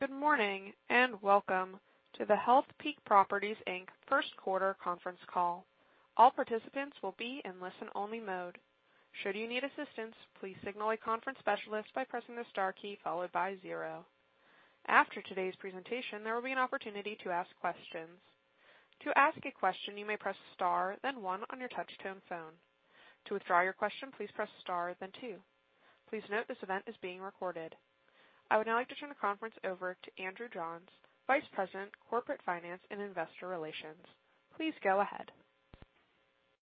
Good morning, and welcome to the Healthpeak Properties, Inc first quarter conference call. I would now like to turn the conference over to Andrew Johns, Vice President, Corporate Finance and Investor Relations. Please go ahead.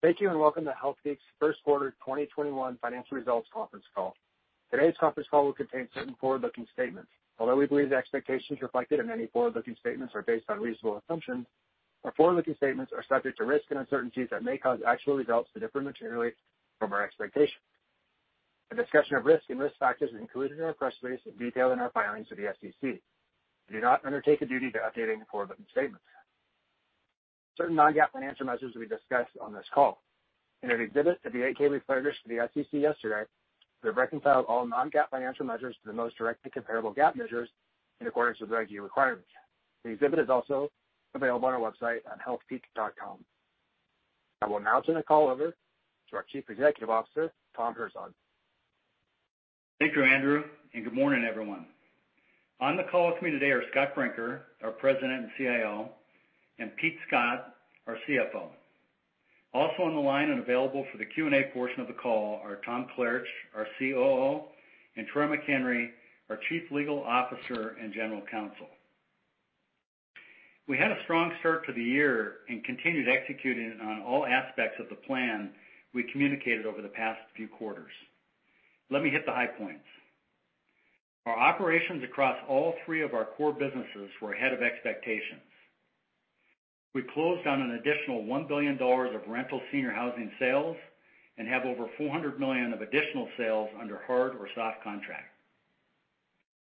Thank you, welcome to Healthpeak's first quarter 2021 financial results conference call. Today's conference call will contain certain forward-looking statements. Although we believe the expectations reflected in any forward-looking statements are based on reasonable assumptions, our forward-looking statements are subject to risks and uncertainties that may cause actual results to differ materially from our expectations. A discussion of risks and risk factors is included in our press release and detailed in our filings with the SEC. We do not undertake a duty to updating forward-looking statements. Certain non-GAAP financial measures will be discussed on this call. In an exhibit to the 8-K we filed with the SEC yesterday, we've reconciled all non-GAAP financial measures to the most directly comparable GAAP measures in accordance with regulatory requirements. The exhibit is also available on our website on healthpeak.com. I will now turn the call over to our Chief Executive Officer, Tom Herzog. Thank you, Andrew. Good morning, everyone. On the call with me today are Scott Brinker, our President and CIO, and Pete Scott, our CFO. Also on the line and available for the Q&A portion of the call are Tom Klaritch, our COO, and Troy McHenry, our Chief Legal Officer and General Counsel. We had a strong start to the year and continued executing on all aspects of the plan we communicated over the past few quarters. Let me hit the high points. Our operations across all three of our core businesses were ahead of expectations. We closed on an additional $1 billion of rental senior housing sales and have over $400 million of additional sales under hard or soft contract.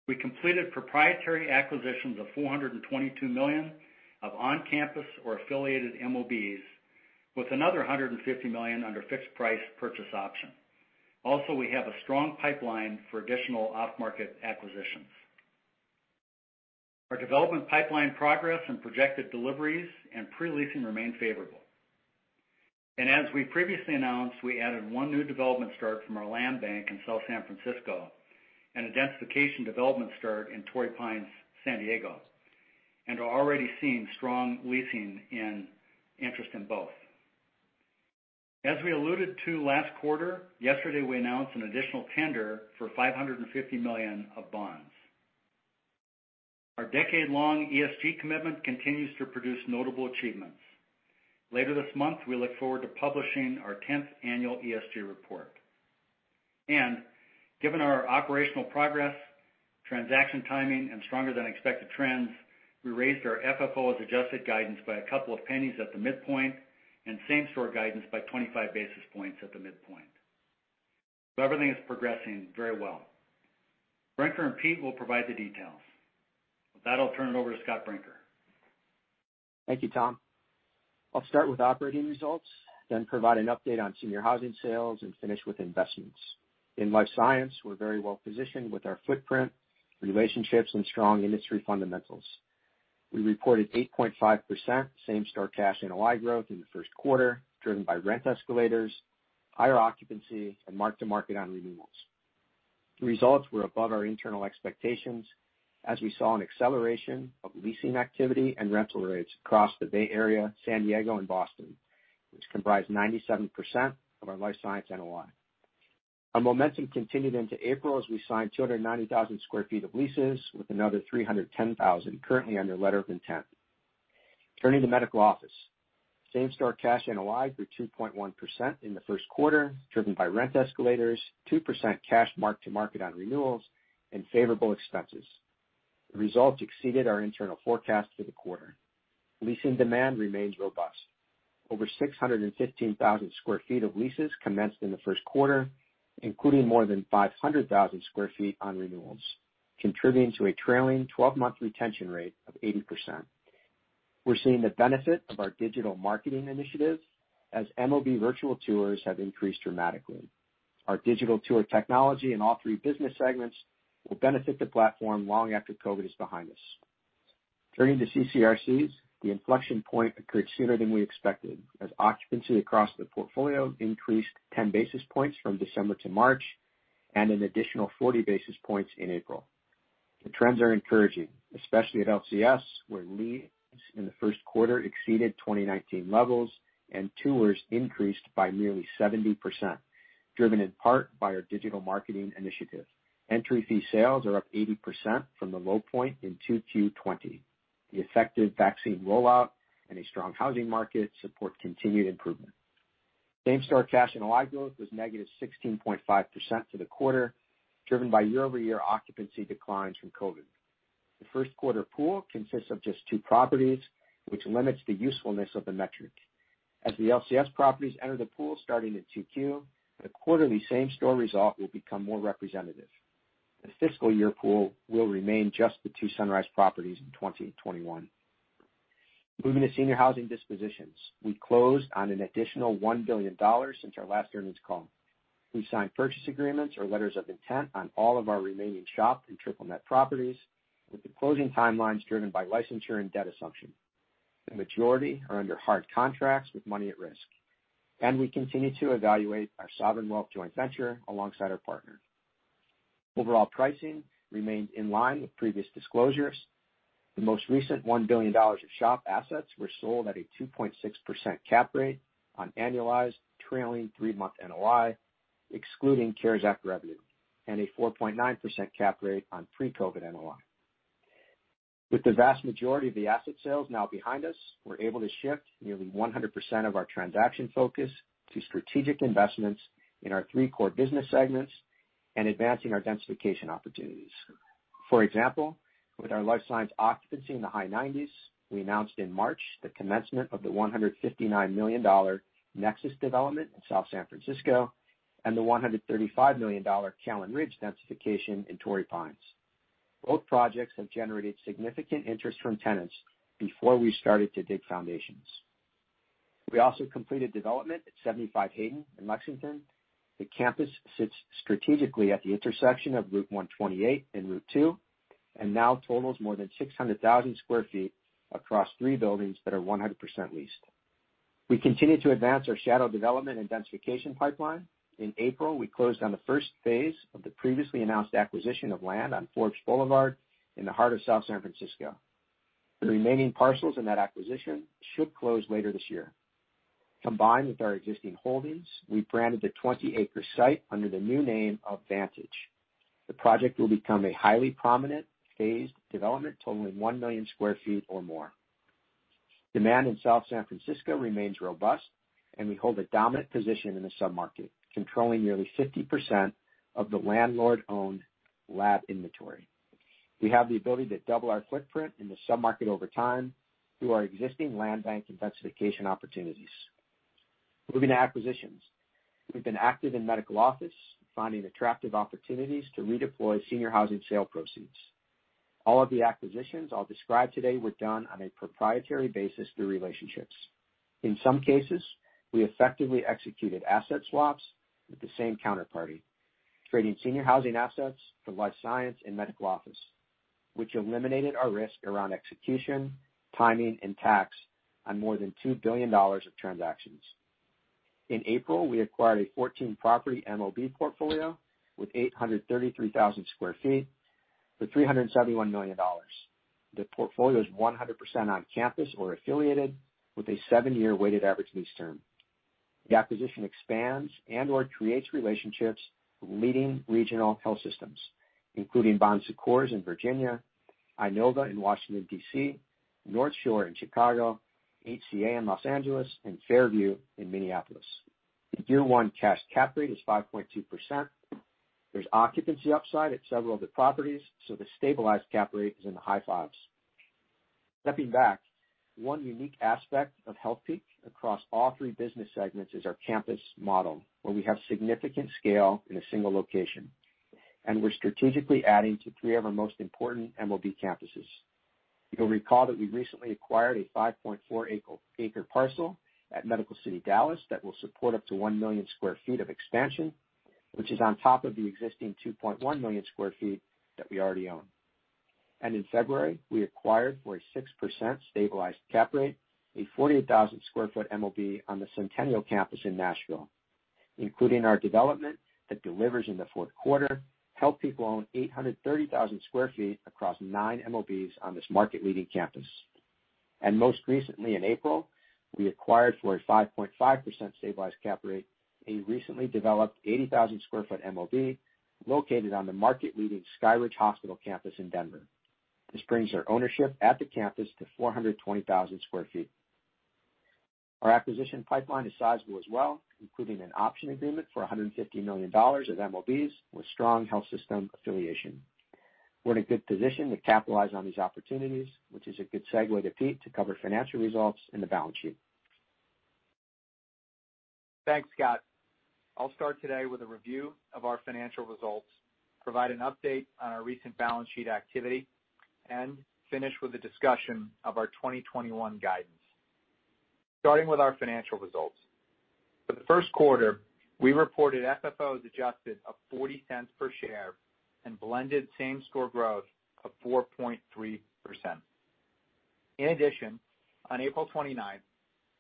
We completed proprietary acquisitions of $422 million of on-campus or affiliated MOBs with another $150 million under fixed price purchase option. Also, we have a strong pipeline for additional off-market acquisitions. Our development pipeline progress and projected deliveries and pre-leasing remain favorable. As we previously announced, we added one new development start from our land bank in South San Francisco and a densification development start in Torrey Pines, San Diego, and are already seeing strong leasing and interest in both. As we alluded to last quarter, yesterday we announced an additional tender for $550 million of bonds. Our decade-long ESG commitment continues to produce notable achievements. Later this month, we look forward to publishing our 10th annual ESG report. Given our operational progress, transaction timing, and stronger than expected trends, we raised our FFO as adjusted guidance by a couple of pennies at the midpoint and same-store guidance by 25 basis points at the midpoint. Everything is progressing very well. Brinker and Pete will provide the details. With that, I'll turn it over to Scott Brinker. Thank you, Tom. I'll start with operating results, then provide an update on senior housing sales and finish with investments. In Life Science, we're very well positioned with our footprint, relationships, and strong industry fundamentals. We reported 8.5% same-store cash NOI growth in the first quarter, driven by rent escalators, higher occupancy, and mark-to-market on renewals. The results were above our internal expectations as we saw an acceleration of leasing activity and rental rates across the Bay Area, San Diego and Boston, which comprise 97% of our Life Science NOI. Our momentum continued into April as we signed 290,000 sq ft of leases, with another 310,000 currently under LOI. Turning to Medical Office. Same-store cash NOI grew 2.1% in the first quarter, driven by rent escalators, 2% cash mark-to-market on renewals, and favorable expenses. The results exceeded our internal forecast for the quarter. Leasing demand remains robust. Over 615,000 sq ft of leases commenced in the first quarter, including more than 500,000 sq ft on renewals, contributing to a trailing 12-month retention rate of 80%. We're seeing the benefit of our digital marketing initiatives as MOB virtual tours have increased dramatically. Our digital tour technology in all three business segments will benefit the platform long after COVID is behind us. Turning to CCRCs, the inflection point occurred sooner than we expected, as occupancy across the portfolio increased 10 basis points from December to March and an additional 40 basis points in April. The trends are encouraging, especially at LCS, where leads in the first quarter exceeded 2019 levels and tours increased by nearly 70%, driven in part by our digital marketing initiative. Entry fee sales are up 80% from the low point in 2Q 2020. The effective vaccine rollout and a strong housing market support continued improvement. Same-store cash NOI growth was -16.5% for the quarter, driven by year-over-year occupancy declines from COVID. The first quarter pool consists of just two properties, which limits the usefulness of the metric. As the LCS properties enter the pool starting in 2Q, the quarterly same-store result will become more representative. The fiscal year pool will remain just the two Sunrise properties in 2021. Moving to senior housing dispositions. We closed on an additional $1 billion since our last earnings call. We signed purchase agreements or letters of intent on all of our remaining SHOP and triple-net properties, with the closing timelines driven by licensure and debt assumption. The majority are under hard contracts with money at risk. We continue to evaluate our sovereign wealth joint venture alongside our partner. Overall pricing remained in line with previous disclosures. The most recent $1 billion of SHOP assets were sold at a 2.6% cap rate on annualized trailing three-month NOI, excluding CARES Act revenue, and a 4.9% cap rate on pre-COVID NOI. With the vast majority of the asset sales now behind us, we're able to shift nearly 100% of our transaction focus to strategic investments in our three core business segments and advancing our densification opportunities. For example, with our life science occupancy in the high 90s, we announced in March the commencement of the $159 million Nexus development in South San Francisco and the $135 million Callan Ridge densification in Torrey Pines. Both projects have generated significant interest from tenants before we started to dig foundations. We also completed development at 75 Hayden in Lexington. The campus sits strategically at the intersection of Route 128 and Route 2 and now totals more than 600,000 sq ft across three buildings that are 100% leased. We continue to advance our shadow development and densification pipeline. In April, we closed on the first phase of the previously announced acquisition of land on Forbes Boulevard in the heart of South San Francisco. The remaining parcels in that acquisition should close later this year. Combined with our existing holdings, we've branded the 20-acre site under the new name of Vantage. The project will become a highly prominent phased development totaling 1 million sq ft or more. Demand in South San Francisco remains robust, and we hold a dominant position in the sub-market, controlling nearly 50% of the landlord-owned lab inventory. We have the ability to double our footprint in the sub-market over time through our existing land bank and densification opportunities. Moving to acquisitions. We've been active in medical office, finding attractive opportunities to redeploy senior housing sale proceeds. All of the acquisitions I'll describe today were done on a proprietary basis through relationships. In some cases, we effectively executed asset swaps with the same counterparty, trading senior housing assets for life science and medical office, which eliminated our risk around execution, timing, and tax on more than $2 billion of transactions. In April, we acquired a 14-property MOB portfolio with 833,000 sq ft for $371 million. The portfolio is 100% on-campus or affiliated with a seven-year weighted average lease term. The acquisition expands and/or creates relationships with leading regional health systems, including Bon Secours in Virginia, Inova in Washington, D.C., NorthShore in Chicago, HCA in Los Angeles, and Fairview in Minneapolis. The year one cash cap rate is 5.2%. There is occupancy upside at several of the properties, so the stabilized cap rate is in the high fives. Stepping back, one unique aspect of Healthpeak across all three business segments is our campus model, where we have significant scale in a single location, and we are strategically adding to three of our most important MOB campuses. You will recall that we recently acquired a 5.4 acre parcel at Medical City Dallas that will support up to 1 million sq ft of expansion, which is on top of the existing 2.1 million sq ft that we already own. In February, we acquired, for a 6% stabilized cap rate, a 48,000 sq ft MOB on the Centennial Campus in Nashville. Including our development that delivers in the fourth quarter, Healthpeak owned 830,000 sq ft across nine MOBs on this market-leading campus. Most recently, in April, we acquired for a 5.5% stabilized cap rate, a recently developed 80,000 sq ft MOB located on the market-leading Sky Ridge Hospital campus in Denver. This brings our ownership at the campus to 420,000 sq ft. Our acquisition pipeline is sizable as well, including an option agreement for $150 million of MOBs with strong health system affiliation. We're in a good position to capitalize on these opportunities, which is a good segue to Pete to cover financial results and the balance sheet. Thanks, Scott. I'll start today with a review of our financial results, provide an update on our recent balance sheet activity, and finish with a discussion of our 2021 guidance. Starting with our financial results. For the first quarter, we reported FFO adjusted of $0.40 per share and blended same-store growth of 4.3%. In addition, on April 29,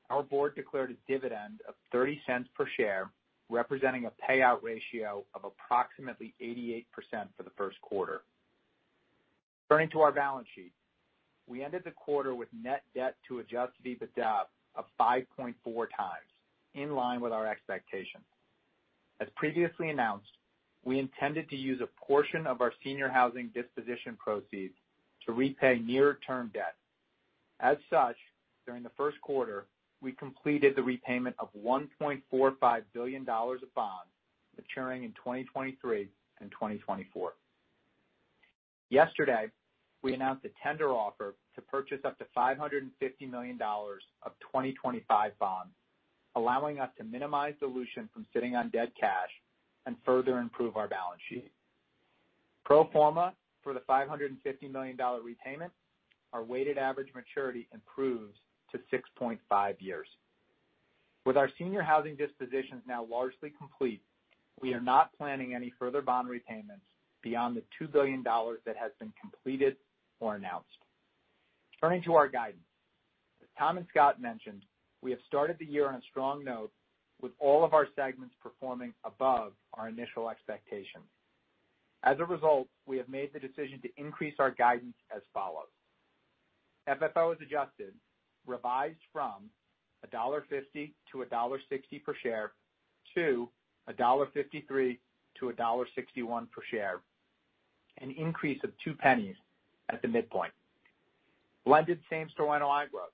our board declared a dividend of $0.30 per share, representing a payout ratio of approximately 88% for the first quarter. Turning to our balance sheet. We ended the quarter with net debt to adjusted EBITDA of 5.4 times, in line with our expectations. As previously announced, we intended to use a portion of our senior housing disposition proceeds to repay near-term debt. As such, during the first quarter, we completed the repayment of $1.45 billion of bonds maturing in 2023 and 2024. Yesterday, we announced a tender offer to purchase up to $550 million of 2025 bonds, allowing us to minimize dilution from sitting on dead cash and further improve our balance sheet. Pro forma for the $550 million repayment, our weighted average maturity improves to 6.5 years. With our senior housing dispositions now largely complete, we are not planning any further bond repayments beyond the $2 billion that has been completed or announced. Turning to our guidance. As Tom and Scott mentioned, we have started the year on a strong note with all of our segments performing above our initial expectations. As a result, we have made the decision to increase our guidance as follows. FFO as adjusted revised from $1.50-$1.60 per share to $1.53-$1.61 per share, an increase of $0.02 at the midpoint. Blended same-store NOI growth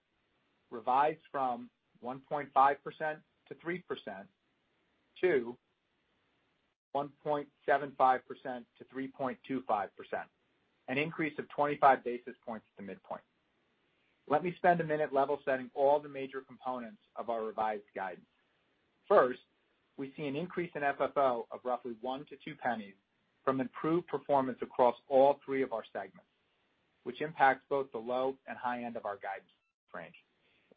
revised from 1.5%-3% to 1.75%-3.25%, an increase of 25 basis points at the midpoint. Let me spend a minute level setting all the major components of our revised guidance. First, we see an increase in FFO of roughly $0.01-$0.02 from improved performance across all three of our segments, which impacts both the low and high end of our guidance range.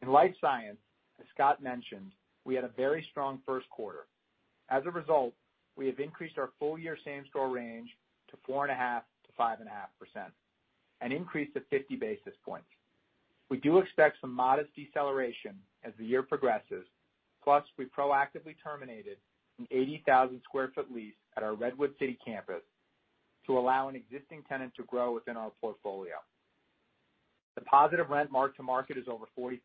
In life science, as Scott mentioned, we had a very strong first quarter. As a result, we have increased our full-year same store range to 4.5%-5.5%, an increase of 50 basis points. We do expect some modest deceleration as the year progresses, plus we proactively terminated an 80,000 sq ft lease at our Redwood City campus to allow an existing tenant to grow within our portfolio. The positive rent mark to market is over 40%,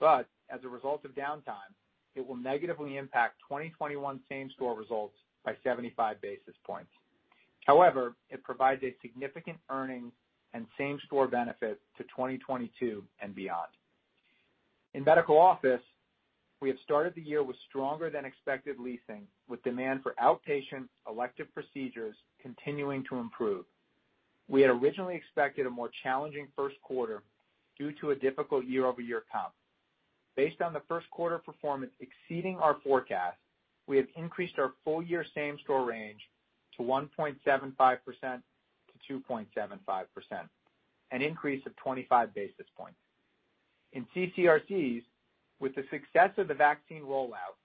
but as a result of downtime, it will negatively impact 2021 same store results by 75 basis points. It provides a significant earning and same store benefit to 2022 and beyond. In medical office, we have started the year with stronger than expected leasing, with demand for outpatient elective procedures continuing to improve. We had originally expected a more challenging first quarter due to a difficult year-over-year comp. Based on the first quarter performance exceeding our forecast, we have increased our full-year same store range to 1.75%-2.75%, an increase of 25 basis points. In CCRCs, with the success of the vaccine rollout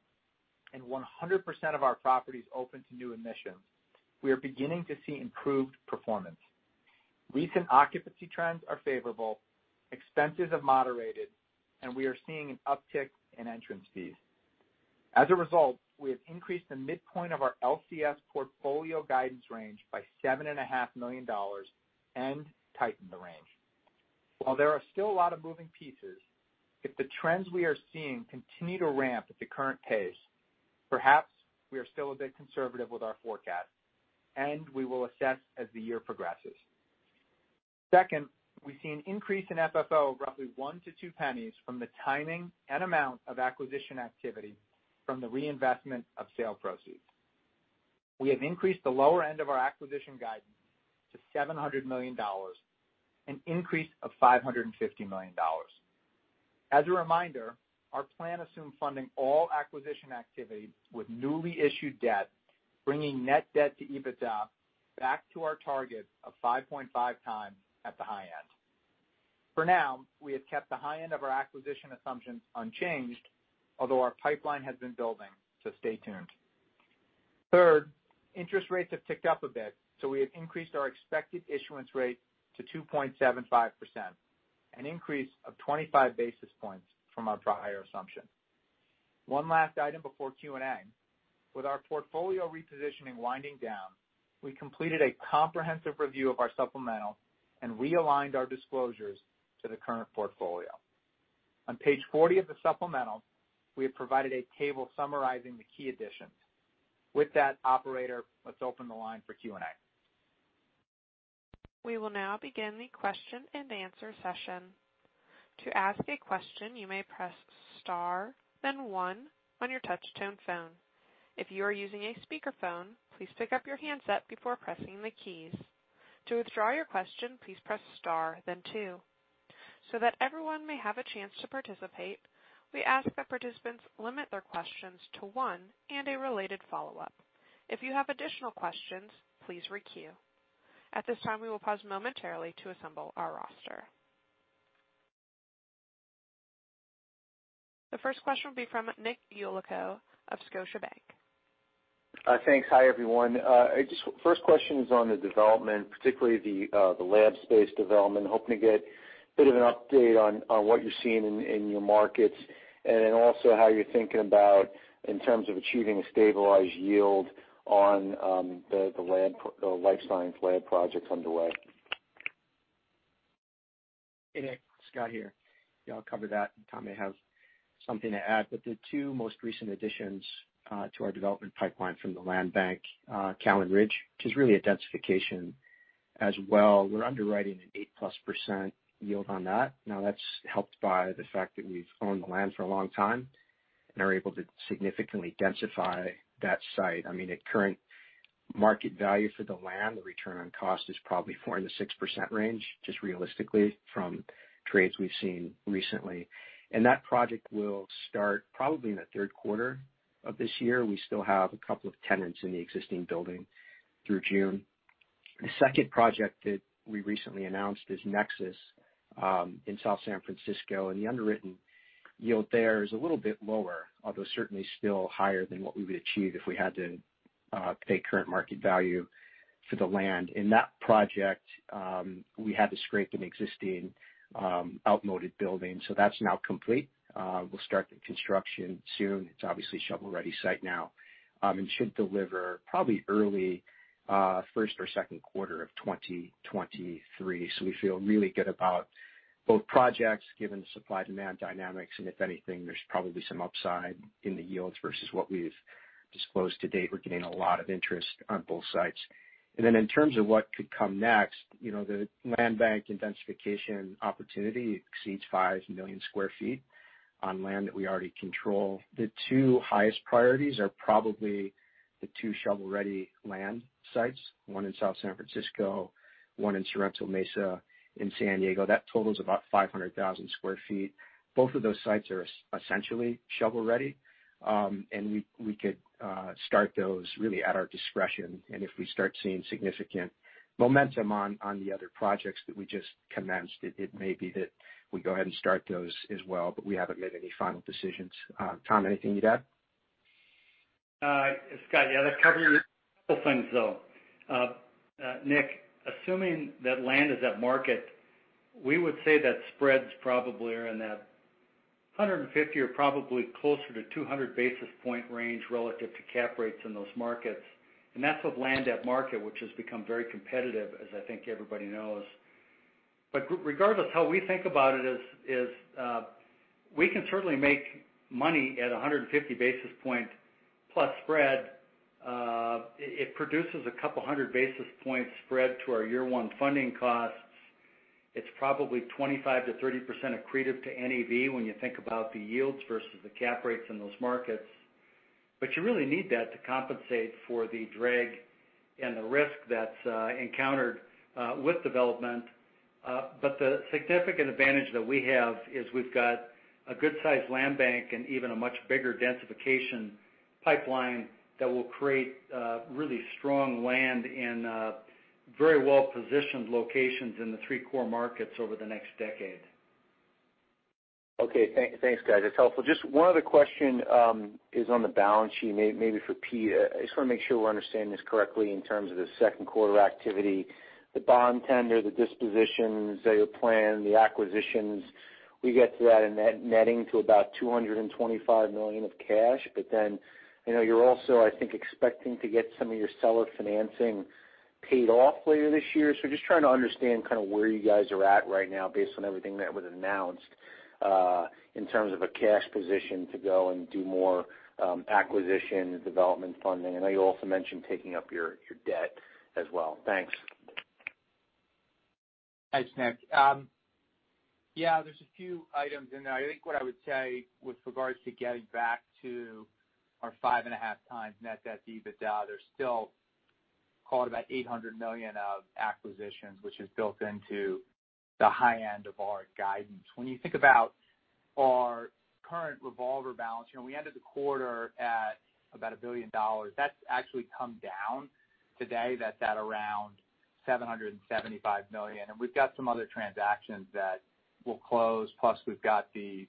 and 100% of our properties open to new admissions, we are beginning to see improved performance. Recent occupancy trends are favorable, expenses have moderated, and we are seeing an uptick in entrance fees. As a result, we have increased the midpoint of our LCS portfolio guidance range by $7.5 million and tightened the range. While there are still a lot of moving pieces, if the trends we are seeing continue to ramp at the current pace, perhaps we are still a bit conservative with our forecast, and we will assess as the year progresses. Second, we see an increase in FFO of roughly $0.01-$0.02 from the timing and amount of acquisition activity from the reinvestment of sale proceeds. We have increased the lower end of our acquisition guidance to $700 million, an increase of $550 million. As a reminder, our plan assumed funding all acquisition activity with newly issued debt, bringing net debt to EBITDA back to our target of 5.5 times at the high end. For now, we have kept the high end of our acquisition assumptions unchanged, although our pipeline has been building, so stay tuned. Third, interest rates have ticked up a bit, so we have increased our expected issuance rate to 2.75%, an increase of 25 basis points from our prior assumption. One last item before Q&A. With our portfolio repositioning winding down, we completed a comprehensive review of our supplemental and realigned our disclosures to the current portfolio. On page 40 of the supplemental, we have provided a table summarizing the key additions. With that, operator, let's open the line for Q&A. We will now begin the question and answer session. To ask a question, you may press star then one on your touch-tone phone. If you are using a speakerphone, pick up your handset before pressing the keys. To withdraw your question, please press star then two. So that everyone may have a chance to participate, we ask the participants to limit their questions to one and a related follow up. If you have additional questions, please requeue. At this time, we will pause momentarily to assemble our roster. The first question will be from Nick Yulico of Scotiabank. Thanks. Hi, everyone. First question is on the development, particularly the lab space development. Hoping to get a bit of an update on what you're seeing in your markets, and then also how you're thinking about in terms of achieving a stabilized yield on the life science lab projects underway. Hey, Nick. Scott here. Yeah, I'll cover that, and Tom may have something to add. The two most recent additions to our development pipeline from the land bank Callan Ridge, which is really a densification as well. We're underwriting an 8%+ yield on that. Now, that's helped by the fact that we've owned the land for a long time and are able to significantly densify that site. At current market value for the land, the return on cost is probably four in the 6% range, just realistically from trades we've seen recently. That project will start probably in the third quarter of this year. We still have a couple of tenants in the existing building through June The second project that we recently announced is Nexus, in South San Francisco. The underwritten yield there is a little bit lower, although certainly still higher than what we would achieve if we had to pay current market value for the land. In that project, we had to scrape an existing outmoded building. That's now complete. We'll start the construction soon. It's obviously a shovel-ready site now, and should deliver probably early first or second quarter of 2023. We feel really good about both projects, given the supply-demand dynamics, and if anything, there's probably some upside in the yields versus what we've disclosed to date. We're getting a lot of interest on both sites. In terms of what could come next, the land bank intensification opportunity exceeds 5 million sq ft on land that we already control. The two highest priorities are probably the two shovel-ready land sites, one in South San Francisco, one in Sorrento Mesa in San Diego. That totals about 500,000 sq ft. Both of those sites are essentially shovel-ready. We could start those really at our discretion, and if we start seeing significant momentum on the other projects that we just commenced, it may be that we go ahead and start those as well. We haven't made any final decisions. Tom, anything you'd add? Scott, yeah, a couple things, though. Nick, assuming that land is at market, we would say that spreads probably are in that 150 or probably closer to 200 basis point range relative to cap rates in those markets. That's with land at market, which has become very competitive, as I think everybody knows. Regardless how we think about it is, we can certainly make money at 150 basis point plus spread. It produces a couple hundred basis points spread to our year one funding costs. It's probably 25%-30% accretive to NAV when you think about the yields versus the cap rates in those markets. You really need that to compensate for the drag and the risk that's encountered with development. The significant advantage that we have is we've got a good-sized land bank and even a much bigger densification pipeline that will create really strong land in very well-positioned locations in the three core markets over the next decade. Okay. Thanks, guys. That's helpful. Just one other question is on the balance sheet, maybe for Pete. I just want to make sure we're understanding this correctly in terms of the second quarter activity. The bond tender, the dispositions that you planned, the acquisitions, we get to that and netting to about $225 million of cash. You're also, I think, expecting to get some of your seller financing paid off later this year. Just trying to understand kind of where you guys are at right now based on everything that was announced, in terms of a cash position to go and do more acquisition and development funding. I know you also mentioned taking up your debt as well. Thanks. Thanks, Nick. Yeah, there's a few items in there. I think what I would say with regards to getting back to our five and a half times net-to-EBITDA, there's still call it about $800 million of acquisitions, which is built into the high end of our guidance. When you think about our current revolver balance, we ended the quarter at about $1 billion. That's actually come down today. That's at around $775 million. We've got some other transactions that will close. Plus, we've got the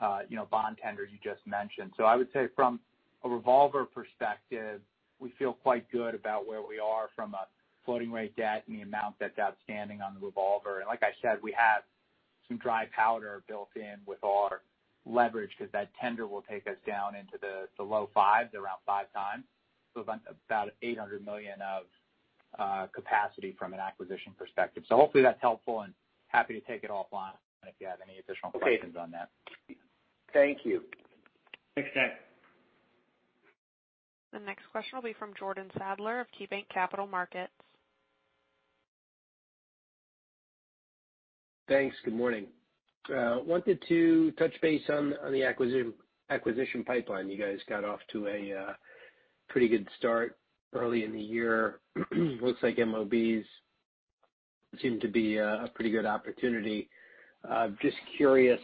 bond tenders you just mentioned. I would say from a revolver perspective, we feel quite good about where we are from a floating rate debt and the amount that's outstanding on the revolver. Like I said, we have some dry powder built in with our leverage because that tender will take us down into the low fives, around five times. About $800 million of capacity from an acquisition perspective. Hopefully that's helpful, and happy to take it offline if you have any additional questions on that. Thank you. Thanks, Nick. The next question will be from Jordan Sadler of KeyBanc Capital Markets. Thanks. Good morning. I wanted to touch base on the acquisition pipeline. You guys got off to a pretty good start early in the year. Looks like MOBs seem to be a pretty good opportunity. I'm just curious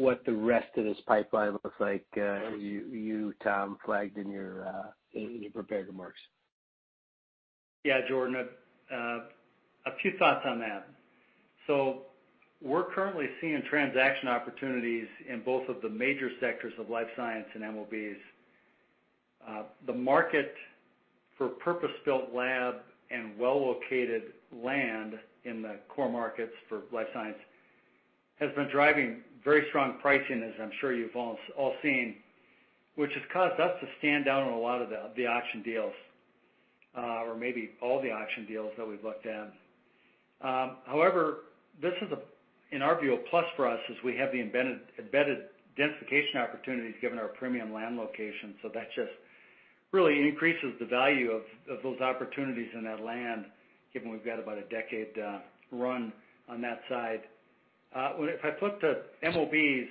what the rest of this pipeline looks like. You, Tom, flagged in your prepared remarks. Yeah, Jordan, a few thoughts on that. We're currently seeing transaction opportunities in both of the major sectors of life science and MOBs. The market for purpose-built lab and well-located land in the core markets for life science has been driving very strong pricing, as I'm sure you've all seen, which has caused us to stand down on a lot of the auction deals, or maybe all the auction deals that we've looked at. However, this is, in our view, a plus for us as we have the embedded densification opportunities given our premium land location. That just really increases the value of those opportunities in that land, given we've got about a decade run on that side. If I flip to MOBs,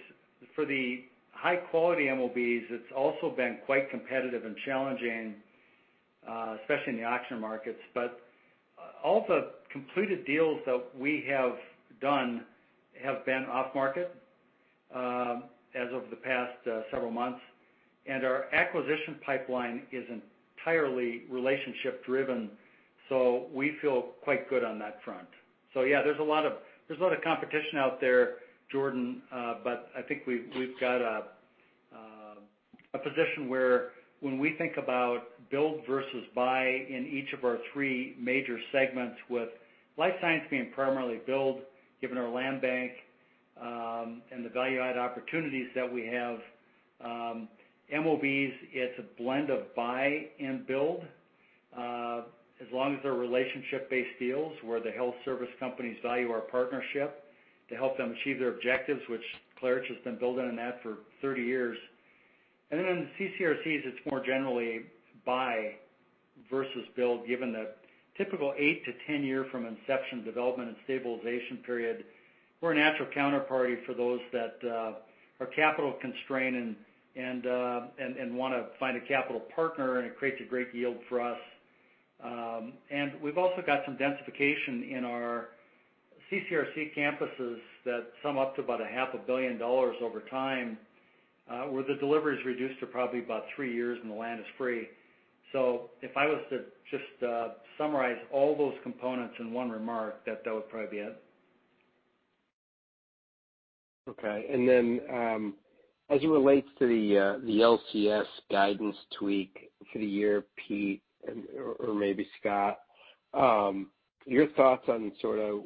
for the high-quality MOBs, it's also been quite competitive and challenging, especially in the auction markets. All the completed deals that we have done have been off-market as of the past several months. Our acquisition pipeline is entirely relationship-driven, so we feel quite good on that front. Yeah, there's a lot of competition out there, Jordan. I think we've got a position where when we think about build versus buy in each of our three major segments, with life science being primarily build, given our land bank, and the value-add opportunities that we have. MOBs, it's a blend of buy and build. As long as they're relationship-based deals where the health service companies value our partnership to help them achieve their objectives, which Klaritch has been building on that for 30 years. The CCRCs, it's more generally buy versus build, given the typical 8 to 10-year from inception development and stabilization period. We're a natural counterparty for those that are capital constrained and want to find a capital partner, and it creates a great yield for us. We've also got some densification in our CCRC campuses that sum up to about a half a billion dollars over time, where the delivery's reduced to probably about three years, and the land is free. If I was to just summarize all those components in one remark, that would probably be it. Okay. As it relates to the LCS guidance tweak for the year, Pete, or maybe Scott, your thoughts on sort of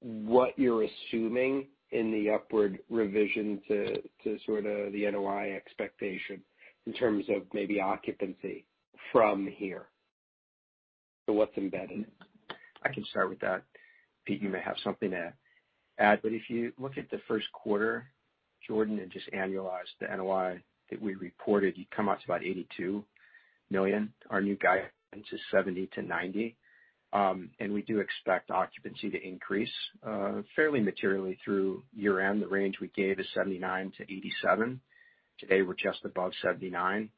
what you're assuming in the upward revision to sort of the NOI expectation in terms of maybe occupancy from here. What's embedded in it? I can start with that. Pete, you may have something to add, but if you look at the first quarter, Jordan, and just annualize the NOI that we reported, you come out to about $82 million. Our new guidance is $70 million-$90 million, we do expect occupancy to increase fairly materially through year-end. The range we gave is 79%-87%. Today, we're just above 79%.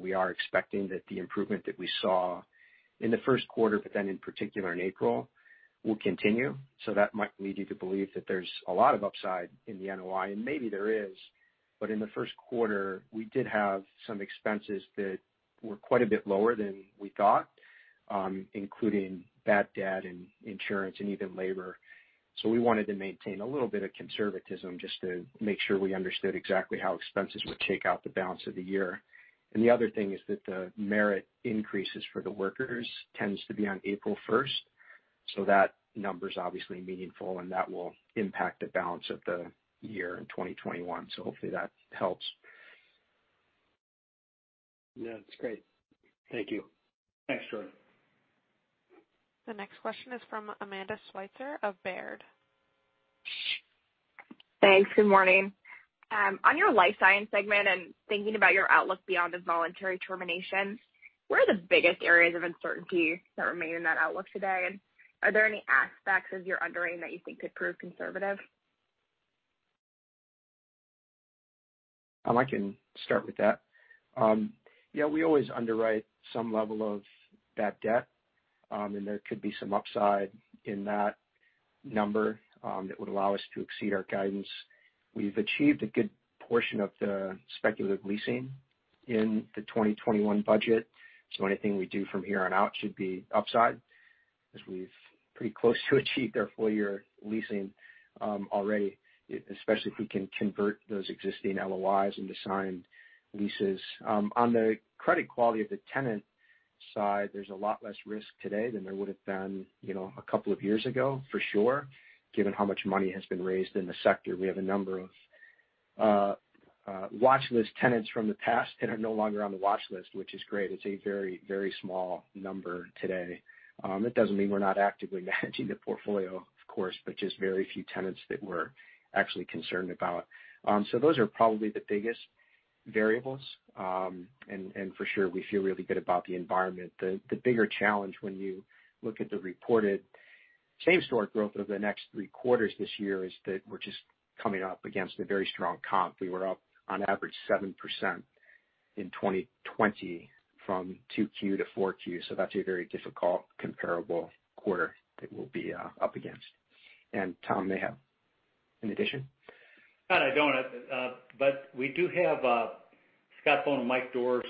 We are expecting that the improvement that we saw in the first quarter, but then in particular in April, will continue. That might lead you to believe that there's a lot of upside in the NOI, and maybe there is. In the first quarter, we did have some expenses that were quite a bit lower than we thought, including bad debt and insurance and even labor. We wanted to maintain a little bit of conservatism just to make sure we understood exactly how expenses would shake out the balance of the year. The other thing is that the merit increases for the workers tends to be on April 1st. That number's obviously meaningful, and that will impact the balance of the year in 2021. Hopefully that helps. Yeah, that's great. Thank you. Thanks, Jordan. The next question is from Amanda Sweitzer of Baird. Thanks. Good morning. On your life science segment and thinking about your outlook beyond the voluntary termination, where are the biggest areas of uncertainty that remain in that outlook today? Are there any aspects of your underwriting that you think could prove conservative? I can start with that. Yeah, we always underwrite some level of bad debt, and there could be some upside in that number that would allow us to exceed our guidance. We've achieved a good portion of the speculative leasing in the 2021 budget, so anything we do from here on out should be upside, as we've pretty close to achieved our full-year leasing already, especially if we can convert those existing LOIs into signed leases. On the credit quality of the tenant side, there's a lot less risk today than there would've been a couple of years ago, for sure, given how much money has been raised in the sector. We have a number of watchlist tenants from the past that are no longer on the watchlist, which is great. It's a very small number today. It doesn't mean we're not actively managing the portfolio, of course, but just very few tenants that we're actually concerned about. Those are probably the biggest variables. For sure, we feel really good about the environment. The bigger challenge when you look at the reported same-store growth over the next three quarters this year is that we're just coming up against a very strong comp. We were up on average 7% in 2020 from 2Q to 4Q, that's a very difficult comparable quarter that we'll be up against. Tom, anything to add in addition? No, I don't. We do have Scott Bohn and Mike Dorris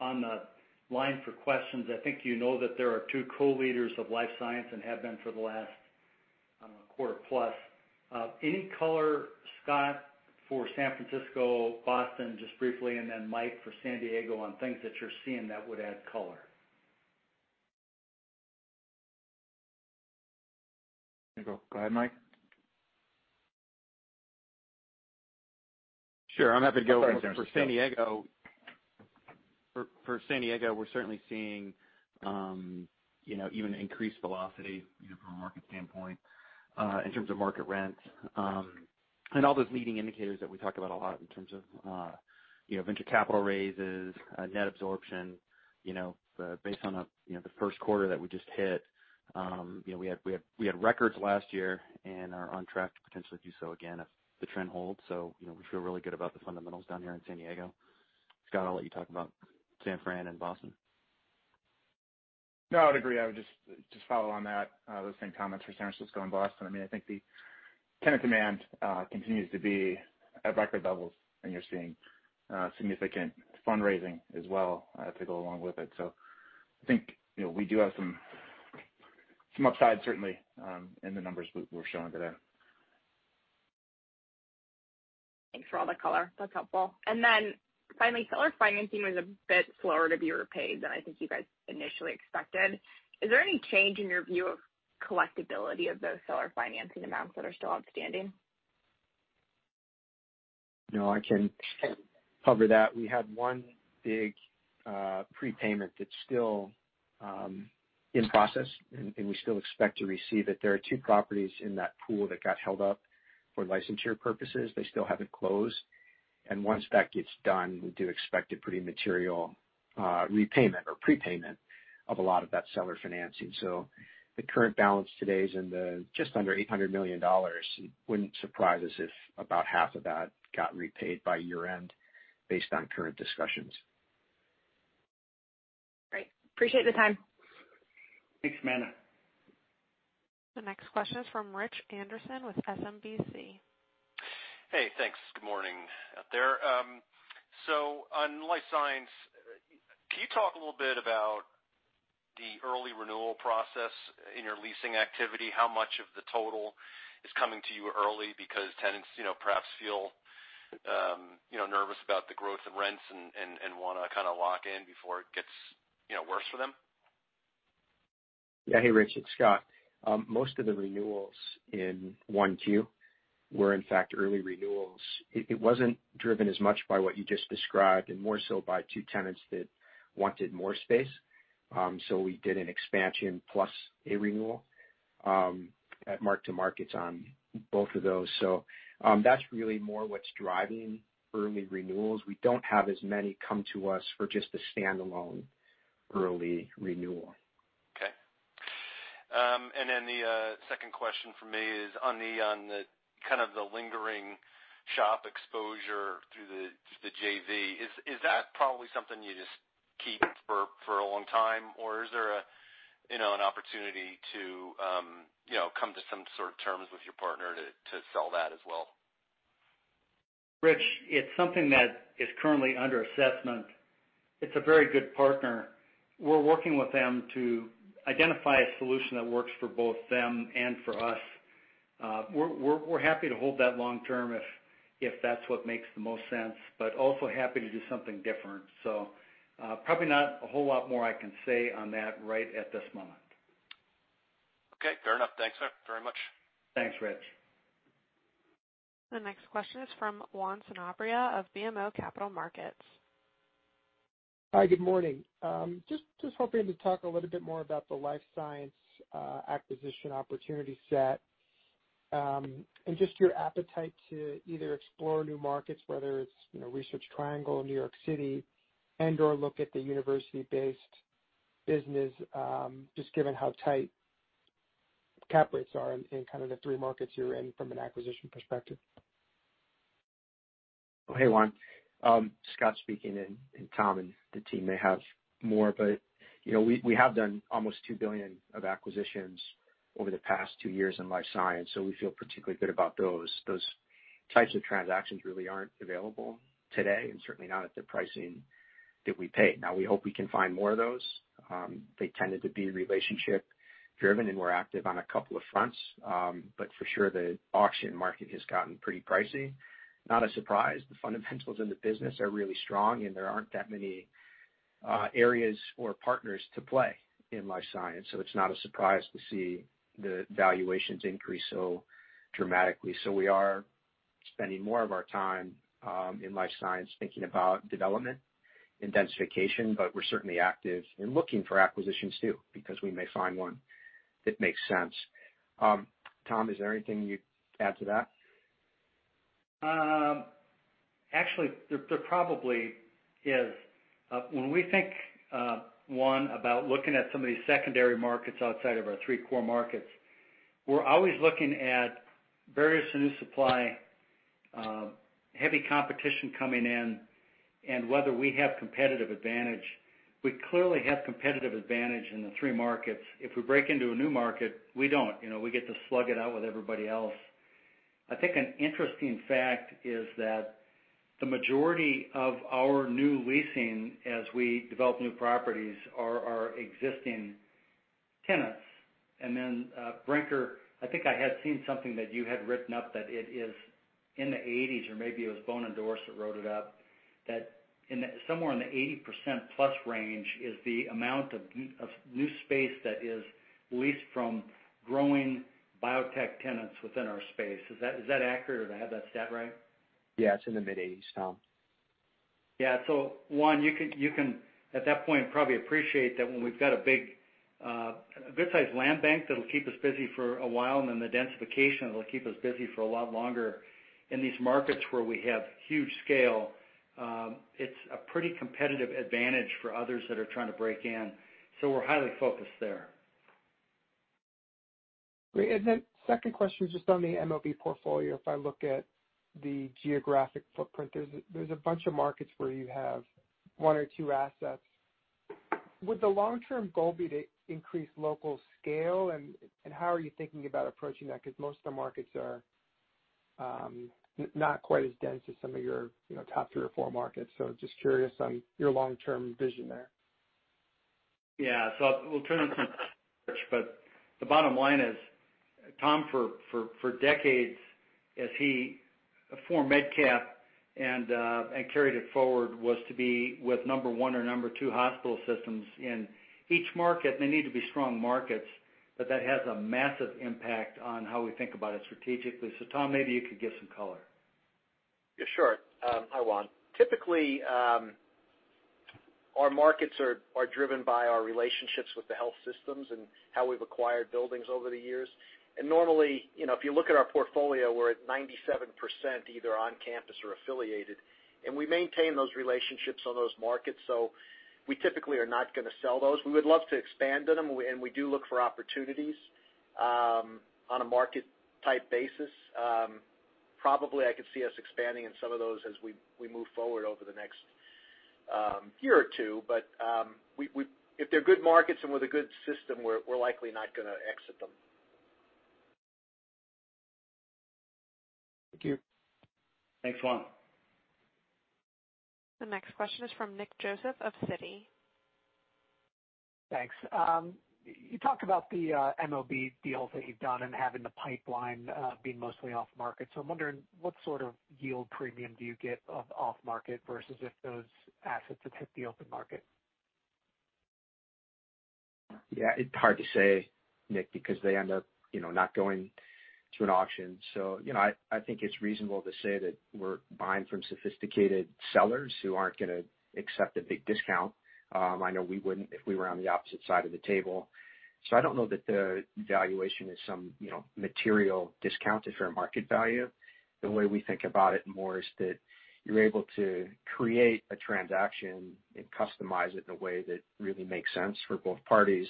on the line for questions. I think you know that they are two co-leaders of life science and have been for the last quarter plus. Any color, Scott, for San Francisco, Boston, just briefly, and then Mike for San Diego on things that you're seeing that would add color. Go ahead, Mike. Sure. I'm happy to go first for San Diego. For San Diego, we're certainly seeing even increased velocity from a market standpoint, in terms of market rent. All those leading indicators that we talk about a lot in terms of venture capital raises, net absorption. Based on the first quarter that we just hit, we had records last year and are on track to potentially do so again if the trend holds. We feel really good about the fundamentals down here in San Diego. Scott, I'll let you talk about San Fran and Boston. No, I would agree. I would just follow on that, those same comments for San Francisco and Boston. I think the tenant demand continues to be at record levels, and you're seeing significant fundraising as well to go along with it. I think we do have some upside certainly in the numbers we're showing today. Thanks for all the color. That's helpful. Then finally, seller financing was a bit slower to be repaid than I think you guys initially expected. Is there any change in your view of collectibility of those seller financing amounts that are still outstanding? No, I can cover that. We had one big prepayment that's still in process, and we still expect to receive it. There are two properties in that pool that got held up for licensure purposes. They still haven't closed. Once that gets done, we do expect a pretty material repayment or prepayment of a lot of that seller financing. The current balance today is in the just under $800 million. It wouldn't surprise us if about half of that got repaid by year-end based on current discussions. Great. Appreciate the time. Thanks, Amanda. The next question is from Rich Anderson with SMBC. Hey, thanks. Good morning out there. On life science, can you talk a little bit about the early renewal process in your leasing activity? How much of the total is coming to you early because tenants perhaps feel nervous about the growth in rents and want to lock in before it gets worse for them? Yeah. Hey, Rich, it's Scott. Most of the renewals in 1Q were in fact early renewals. It wasn't driven as much by what you just described, and more so by two tenants that wanted more space. We did an expansion plus a renewal at mark-to-markets on both of those. That's really more what's driving early renewals. We don't have as many come to us for just a standalone early renewal. Okay. The second question from me is on the kind of the lingering SHOP exposure through the JV. Is that probably something you just keep for a long time, or is there an opportunity to come to some sort of terms with your partner to sell that as well? Rich, it's something that is currently under assessment. It's a very good partner. We're working with them to identify a solution that works for both them and for us. We're happy to hold that long term if that's what makes the most sense, but also happy to do something different. Probably not a whole lot more I can say on that right at this moment. Okay, fair enough. Thanks, sir, very much. Thanks, Rich. The next question is from Juan Sanabria of BMO Capital Markets. Hi, good morning. Just hoping to talk a little bit more about the life science acquisition opportunity set and just your appetite to either explore new markets, whether it's Research Triangle, New York City, and/or look at the university-based business, just given how tight cap rates are in kind of the three markets you're in from an acquisition perspective. Hey, Juan. Scott speaking, Tom and the team may have more. We have done almost $2 billion of acquisitions over the past two years in life science, we feel particularly good about those. Those types of transactions really aren't available today, and certainly not at the pricing that we pay. Now, we hope we can find more of those. They tended to be relationship driven, and we're active on a couple of fronts. For sure, the auction market has gotten pretty pricey. Not a surprise. The fundamentals in the business are really strong, there aren't that many areas or partners to play in life science. It's not a surprise to see the valuations increase so dramatically. We are spending more of our time in life science thinking about development, intensification, but we're certainly active in looking for acquisitions too, because we may find one that makes sense. Tom, is there anything you'd add to that? Actually, there probably is. When we think, Juan, about looking at some of these secondary markets outside of our three core markets, we're always looking at various new supply, heavy competition coming in, and whether we have competitive advantage. We clearly have competitive advantage in the three markets. If we break into a new market, we don't. We get to slug it out with everybody else. I think an interesting fact is that the majority of our new leasing as we develop new properties are our existing tenants. Brinker, I think I had seen something that you had written up that it is in the 80s, or maybe it was Bohn and Dorris that wrote it up, that somewhere in the 80%-plus range is the amount of new space that is leased from growing biotech tenants within our space. Is that accurate? Did I have that stat right? Yeah, it's in the mid-80s, Tom. Yeah. Juan, you can at that point probably appreciate that when we've got a good-sized land bank that'll keep us busy for a while, and then the densification will keep us busy for a lot longer. In these markets where we have huge scale, it's a pretty competitive advantage for others that are trying to break in. We're highly focused there. Great. Second question is just on the MOB portfolio. If I look at the geographic footprint, there's a bunch of markets where you have one or two assets. Would the long-term goal be to increase local scale, and how are you thinking about approaching that? Because most of the markets are not quite as dense as some of your top three or four markets. Just curious on your long-term vision there. Yeah. We'll turn it to Klaritch, but the bottom line is, Tom, for decades, as he formed MedCap and carried it forward, was to be with number one or number two hospital systems in each market. They need to be strong markets, but that has a massive impact on how we think about it strategically. Tom, maybe you could give some color. Yeah, sure. Hi, Juan. Typically, our markets are driven by our relationships with the health systems and how we've acquired buildings over the years. Normally, if you look at our portfolio, we're at 97% either on campus or affiliated, and we maintain those relationships on those markets, so we typically are not going to sell those. We would love to expand in them, and we do look for opportunities on a market-type basis. Probably, I could see us expanding in some of those as we move forward over the next year or two. If they're good markets and with a good system, we're likely not going to exit them. Thank you. Thanks, Juan. The next question is from Nick Joseph, of Citi. Thanks. You talked about the MOB deals that you've done and having the pipeline being mostly off-market. I'm wondering, what sort of yield premium do you get off off-market versus if those assets had hit the open market? Yeah, it's hard to say, Nick, because they end up not going to an auction. I think it's reasonable to say that we're buying from sophisticated sellers who aren't going to accept a big discount. I know we wouldn't if we were on the opposite side of the table. I don't know that the valuation is some material discount to fair market value. The way we think about it more is that you're able to create a transaction and customize it in a way that really makes sense for both parties.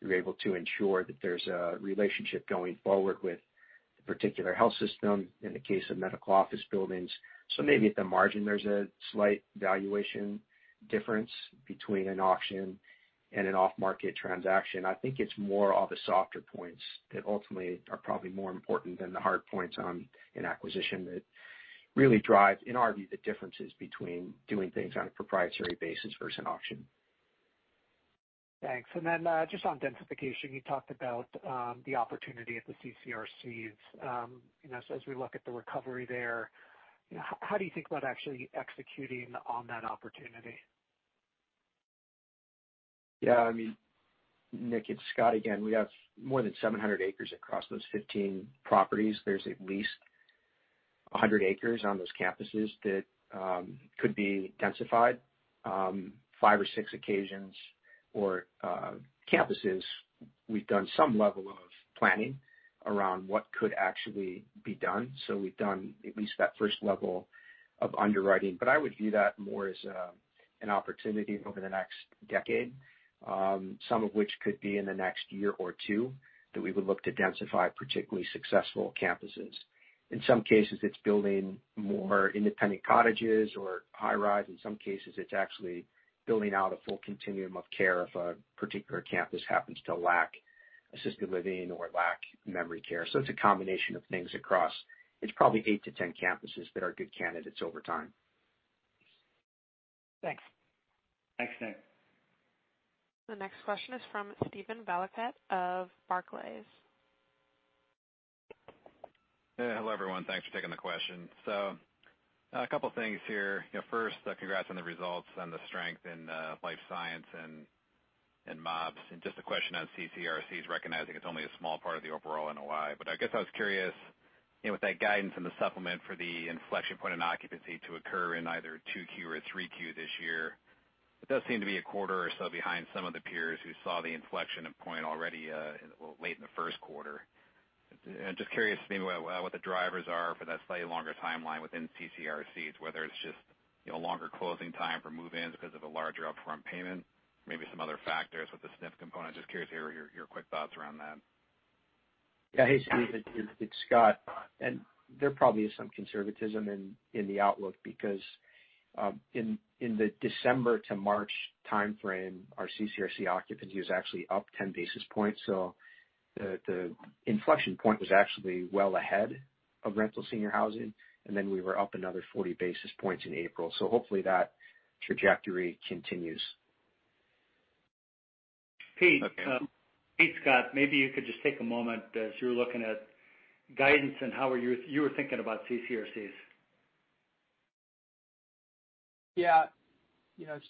You're able to ensure that there's a relationship going forward with the particular health system in the case of medical office buildings. Maybe at the margin, there's a slight valuation difference between an auction and an off-market transaction. I think it's more all the softer points that ultimately are probably more important than the hard points on an acquisition that really drive, in our view, the differences between doing things on a proprietary basis versus an auction. Thanks. Just on densification, you talked about the opportunity at the CCRCs. As we look at the recovery there, how do you think about actually executing on that opportunity? Yeah. Nick, it's Scott again. We have more than 700 acres across those 15 properties. There's at least 100 acres on those campuses that could be densified. Five or six occasions or campuses, we've done some level of planning around what could actually be done. We've done at least that first level of underwriting. I would view that more as an opportunity over the next decade, some of which could be in the next year or two, that we would look to densify particularly successful campuses. In some cases, it's building more independent cottages or high rise. In some cases, it's actually building out a full continuum of care if a particular campus happens to lack assisted living or lack memory care. It's a combination of things across, it's probably eight to 10 campuses that are good candidates over time. Thanks. Thanks, Nick. The next question is from Steven Valiquette of Barclays. Yeah. Hello, everyone. Thanks for taking the question. A couple things here. First, congrats on the results and the strength in life science and MOBs. Just a question on CCRCs, recognizing it's only a small part of the overall NOI. I guess I was curious, with that guidance and the supplement for the inflection point in occupancy to occur in either 2Q or 3Q this year, it does seem to be a quarter or so behind some of the peers who saw the inflection point already late in the first quarter. Just curious maybe what the drivers are for that slightly longer timeline within CCRCs, whether it's just a longer closing time for move-ins because of a larger upfront payment, maybe some other factors with the SNF component. Just curious to hear your quick thoughts around that. Yeah. Hey, Steven, it's Scott. There probably is some conservatism in the outlook because in the December to March timeframe, our CCRC occupancy was actually up 10 basis points. The inflection point was actually well ahead of rental senior housing, and then we were up another 40 basis points in April. Hopefully that trajectory continues. Pete. Okay. Hey, Scott. Maybe you could just take a moment as you were looking at guidance and how you were thinking about CCRCs. Yeah.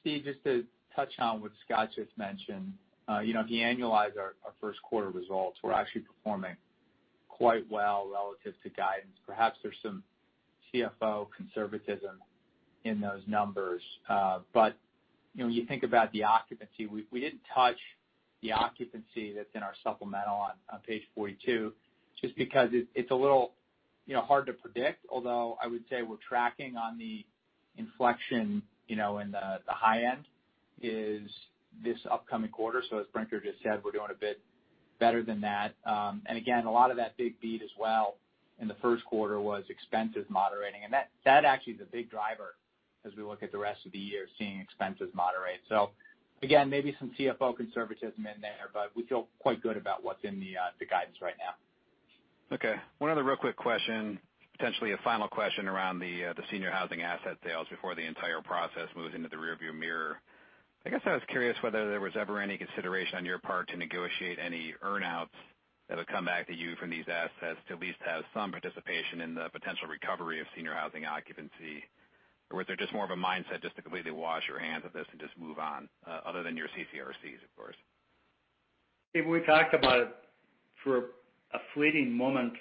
Steve, just to touch on what Scott just mentioned. If you annualize our first quarter results, we're actually performing quite well relative to guidance. Perhaps there's some CFO conservatism in those numbers. When you think about the occupancy, we didn't touch the occupancy that's in our supplemental on page 42, just because it's a little. Hard to predict, although I would say we're tracking on the inflection in the high end is this upcoming quarter. As Brinker just said, we're doing a bit better than that. Again, a lot of that big beat as well in the first quarter was expenses moderating. That actually is a big driver as we look at the rest of the year, seeing expenses moderate. Again, maybe some CFO conservatism in there, but we feel quite good about what's in the guidance right now. Okay. One other real quick question, potentially a final question around the senior housing asset sales before the entire process moves into the rear view mirror. I guess I was curious whether there was ever any consideration on your part to negotiate any earn-outs that would come back to you from these assets to at least have some participation in the potential recovery of senior housing occupancy, or was there just more of a mindset just to completely wash your hands of this and just move on other than your CCRCs, of course? We talked about it for a fleeting moment,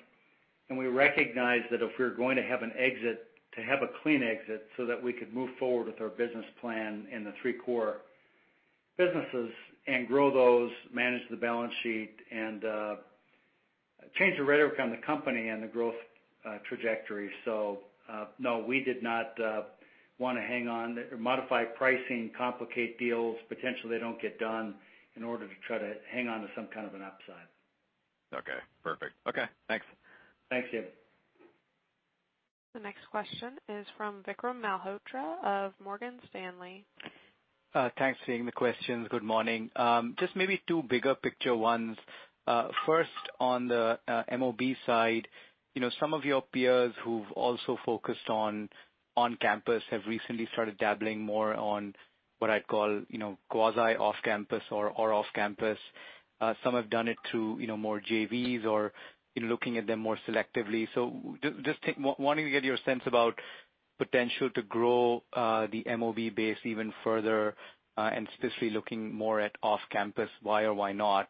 and we recognized that if we were going to have an exit, to have a clean exit so that we could move forward with our business plan in the three core businesses and grow those, manage the balance sheet, and change the rhetoric on the company and the growth trajectory. No, we did not want to hang on or modify pricing, complicate deals, potentially they don't get done in order to try to hang on to some kind of an upside. Okay, perfect. Okay. Thanks. Thanks, Steve. The next question is from Vikram Malhotra of Morgan Stanley. Thanks for taking the questions. Good morning. Maybe two bigger picture ones. First, on the MOB side. Some of your peers who've also focused on campus have recently started dabbling more on what I'd call quasi off-campus or off-campus. Some have done it through more JVs or looking at them more selectively. Wanting to get your sense about potential to grow the MOB base even further, and specifically looking more at off-campus, why or why not?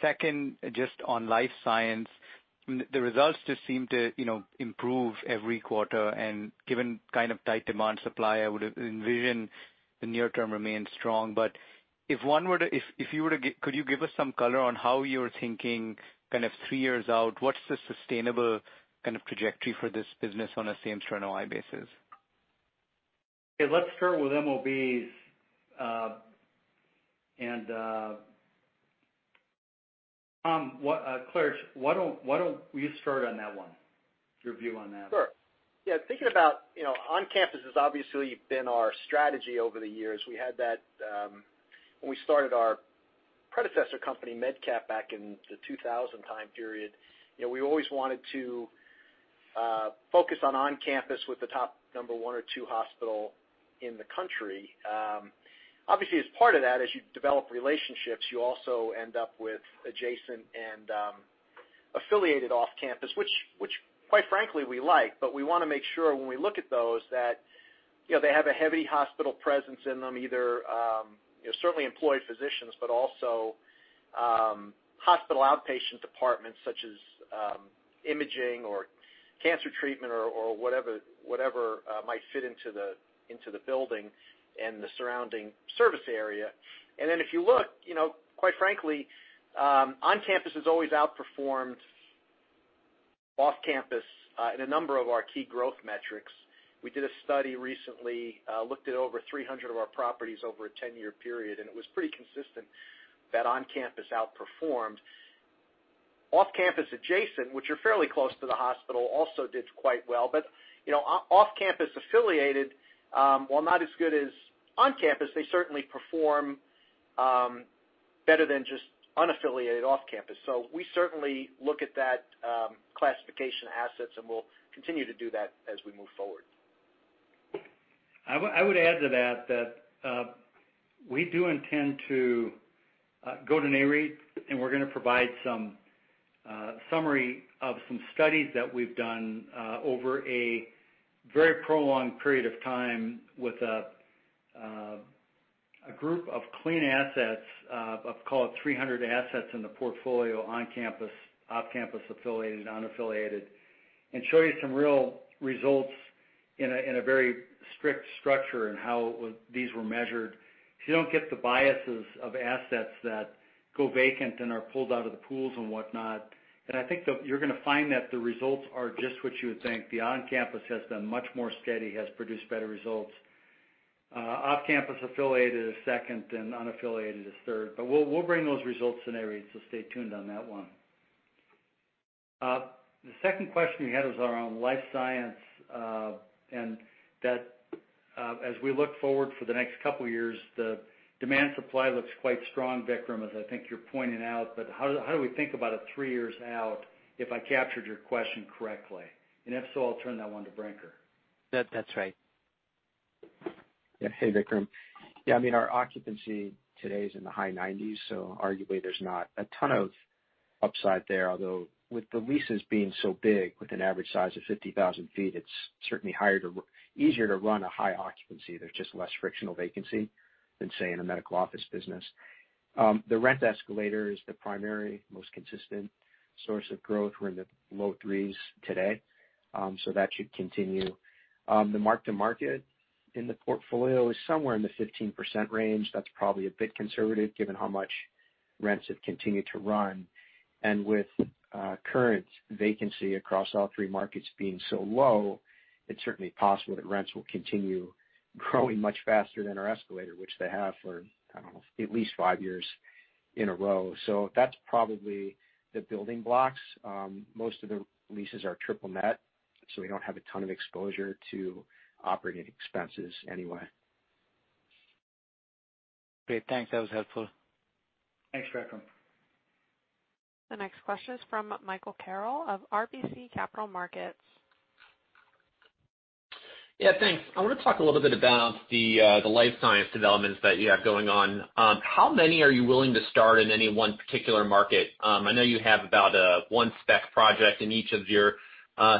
Second, just on life science, the results just seem to improve every quarter and given kind of tight demand supply, I would envision the near term remains strong. Could you give us some color on how you're thinking kind of three years out? What's the sustainable kind of trajectory for this business on a same store NOI basis? Okay, let's start with MOBs. Klaritch, why don't you start on that one, your view on that? Sure. Yeah, thinking about on-campus has obviously been our strategy over the years. We had that when we started our predecessor company, MedCap, back in the 2000 time period. We always wanted to focus on on-campus with the top number one or two hospital in the country. Obviously, as part of that, as you develop relationships, you also end up with adjacent and affiliated off-campus, which quite frankly, we like. We want to make sure when we look at those that they have a heavy hospital presence in them, either certainly employed physicians, but also hospital outpatient departments such as imaging or cancer treatment or whatever might fit into the building and the surrounding service area. Then if you look, quite frankly, on-campus has always outperformed off-campus in a number of our key growth metrics. We did a study recently, looked at over 300 of our properties over a 10-year period, and it was pretty consistent that on-campus outperformed. Off-campus adjacent, which are fairly close to the hospital, also did quite well. Off-campus affiliated, while not as good as on-campus, they certainly perform better than just unaffiliated off-campus. We certainly look at that classification of assets, and we'll continue to do that as we move forward. I would add to that we do intend to go to Nareit, and we're going to provide some summary of some studies that we've done over a very prolonged period of time with a group of clean assets of call it 300 assets in the portfolio on-campus, off-campus, affiliated, unaffiliated, and show you some real results in a very strict structure in how these were measured. So you don't get the biases of assets that go vacant and are pulled out of the pools and whatnot. And I think you're going to find that the results are just what you would think. The on-campus has been much more steady, has produced better results. Off-campus affiliated is second and unaffiliated is third. But we'll bring those results to Nareit, so stay tuned on that one. The second question you had was around life science, that as we look forward for the next couple of years, the demand supply looks quite strong, Vikram, as I think you're pointing out. How do we think about it three years out, if I captured your question correctly? If so, I'll turn that one to Brinker. That's right. Yeah. Hey, Vikram. Yeah, I mean, our occupancy today is in the high 90s, so arguably there's not a ton of upside there. Although with the leases being so big with an average size of 50,000 ft, it's certainly easier to run a high occupancy. There's just less frictional vacancy than, say, in a medical office business. The rent escalator is the primary, most consistent source of growth. We're in the low threes today. That should continue. The mark-to-market in the portfolio is somewhere in the 15% range. That's probably a bit conservative given how much rents have continued to run. With current vacancy across all three markets being so low, it's certainly possible that rents will continue growing much faster than our escalator, which they have for, I don't know, at least five years in a row. That's probably the building blocks. Most of the leases are triple-net. We don't have a ton of exposure to operating expenses anyway. Great. Thanks. That was helpful. Thanks, Vikram. The next question is from Michael Carroll of RBC Capital Markets. Yeah, thanks. I want to talk a little bit about the life science developments that you have going on. How many are you willing to start in any one particular market? I know you have about one spec project in each of your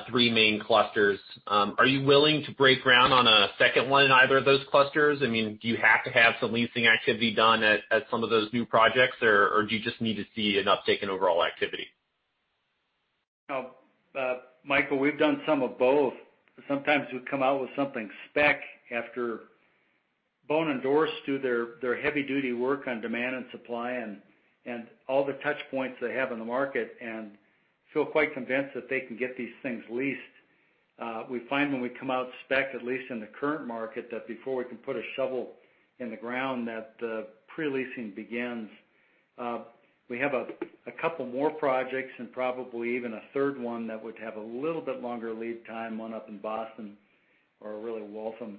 three main clusters. Are you willing to break ground on a second one in either of those clusters? Do you have to have some leasing activity done at some of those new projects, or do you just need to see an uptake in overall activity? Michael, we've done some of both. Sometimes we come out with something spec after Bohn and Dorris do their heavy-duty work on demand and supply and all the touch points they have in the market, and feel quite convinced that they can get these things leased. We find when we come out spec, at least in the current market, that before we can put a shovel in the ground, that the pre-leasing begins. We have a couple more projects and probably even a third one that would have a little bit longer lead time, one up in Boston, or really Waltham,